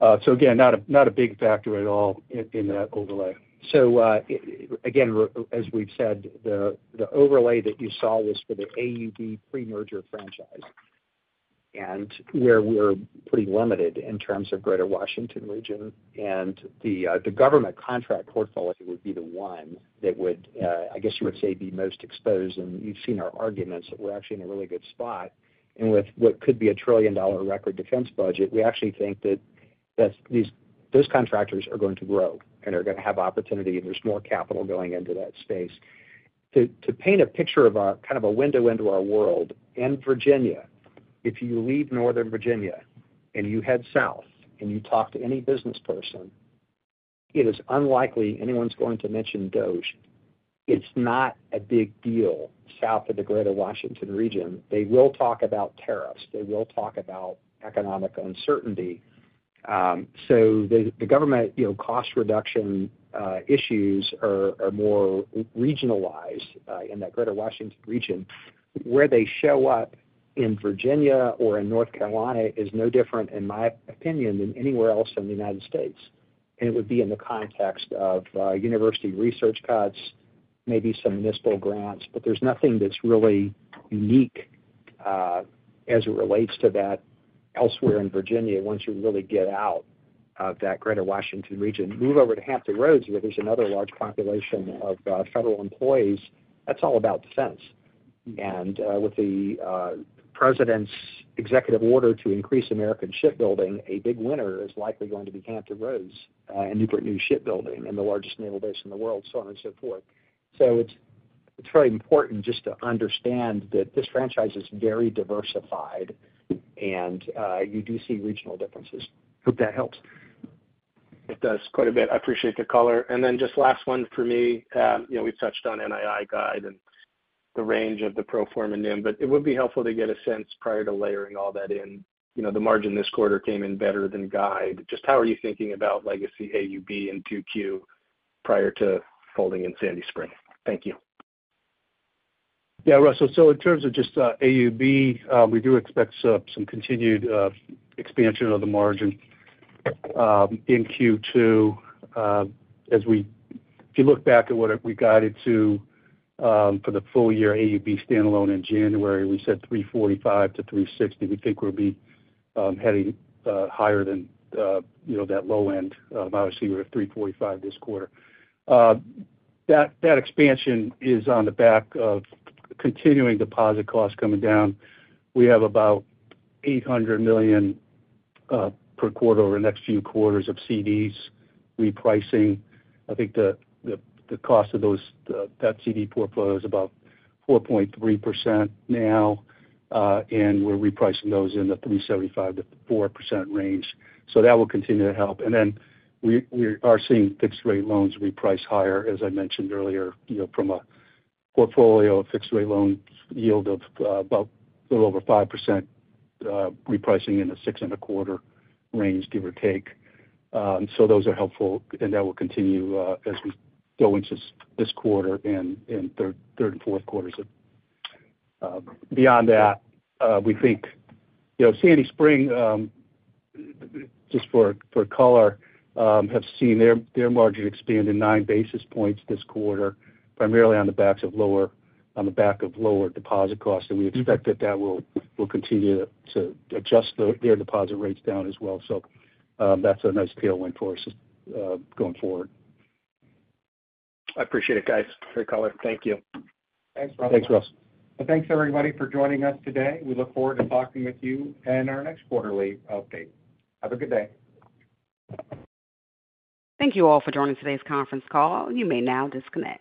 Not a big factor at all in that overlay. As we've said, the overlay that you saw was for the AUB pre-merger franchise, and where we're pretty limited in terms of Greater Washington region. The government contract portfolio would be the one that would, I guess you would say, be most exposed. You've seen our arguments that we're actually in a really good spot. With what could be a trillion-dollar record defense budget, we actually think that those contractors are going to grow and are going to have opportunity and there's more capital going into that space. To paint a picture of kind of a window into our world, in Virginia, if you leave Northern Virginia and you head south and you talk to any business person, it is unlikely anyone's going to mention DoD. It's not a big deal south of the Greater Washington region. They will talk about tariffs. They will talk about economic uncertainty. The government cost reduction issues are more regionalized in that Greater Washington region. Where they show up in Virginia or in North Carolina is no different, in my opinion, than anywhere else in the United States. It would be in the context of university research cuts, maybe some municipal grants, but there's nothing that's really unique as it relates to that elsewhere in Virginia. Once you really get out of that Greater Washington region, move over to Hampton Roads, where there's another large population of federal employees, that's all about defense. With the president's executive order to increase American shipbuilding, a big winner is likely going to be Hampton Roads and Newport News Shipbuilding and the largest naval base in the world, so on and so forth. It is very important just to understand that this franchise is very diversified, and you do see regional differences. Hope that helps. It does quite a bit. I appreciate the color. Just last one for me. We've touched on NII, guide, and the range of the pro forma new, but it would be helpful to get a sense prior to layering all that in. The margin this quarter came in better than guide. Just how are you thinking about legacy AUB in Q2 prior to folding in Sandy Spring? Thank you. Yeah, Russell. In terms of just AUB, we do expect some continued expansion of the margin in Q2. If you look back at what we guided to for the full-year AUB standalone in January, we said 345-360. We think we'll be heading higher than that low end. Obviously, we're at 345 this quarter. That expansion is on the back of continuing deposit costs coming down. We have about $800 million per quarter or next few quarters of CDs repricing. I think the cost of that CD portfolio is about 4.3% now, and we're repricing those in the 3.75-4% range. That will continue to help. We are seeing fixed-rate loans repriced higher, as I mentioned earlier, from a portfolio of fixed-rate loan yield of about a little over 5% repricing in the 6.25% range, give or take. Those are helpful, and that will continue as we go into this quarter and third and fourth quarters. Beyond that, we think Sandy Spring, just for color, have seen their margin expand in nine basis points this quarter, primarily on the back of lower deposit costs. We expect that that will continue to adjust their deposit rates down as well. That's a nice tailwind for us going forward. I appreciate it, guys. Great color. Thank you. Thanks, Russell. Thanks, Russell. Thanks, everybody, for joining us today. We look forward to talking with you in our next quarterly update. Have a good day. Thank you all for joining today's conference call. You may now disconnect.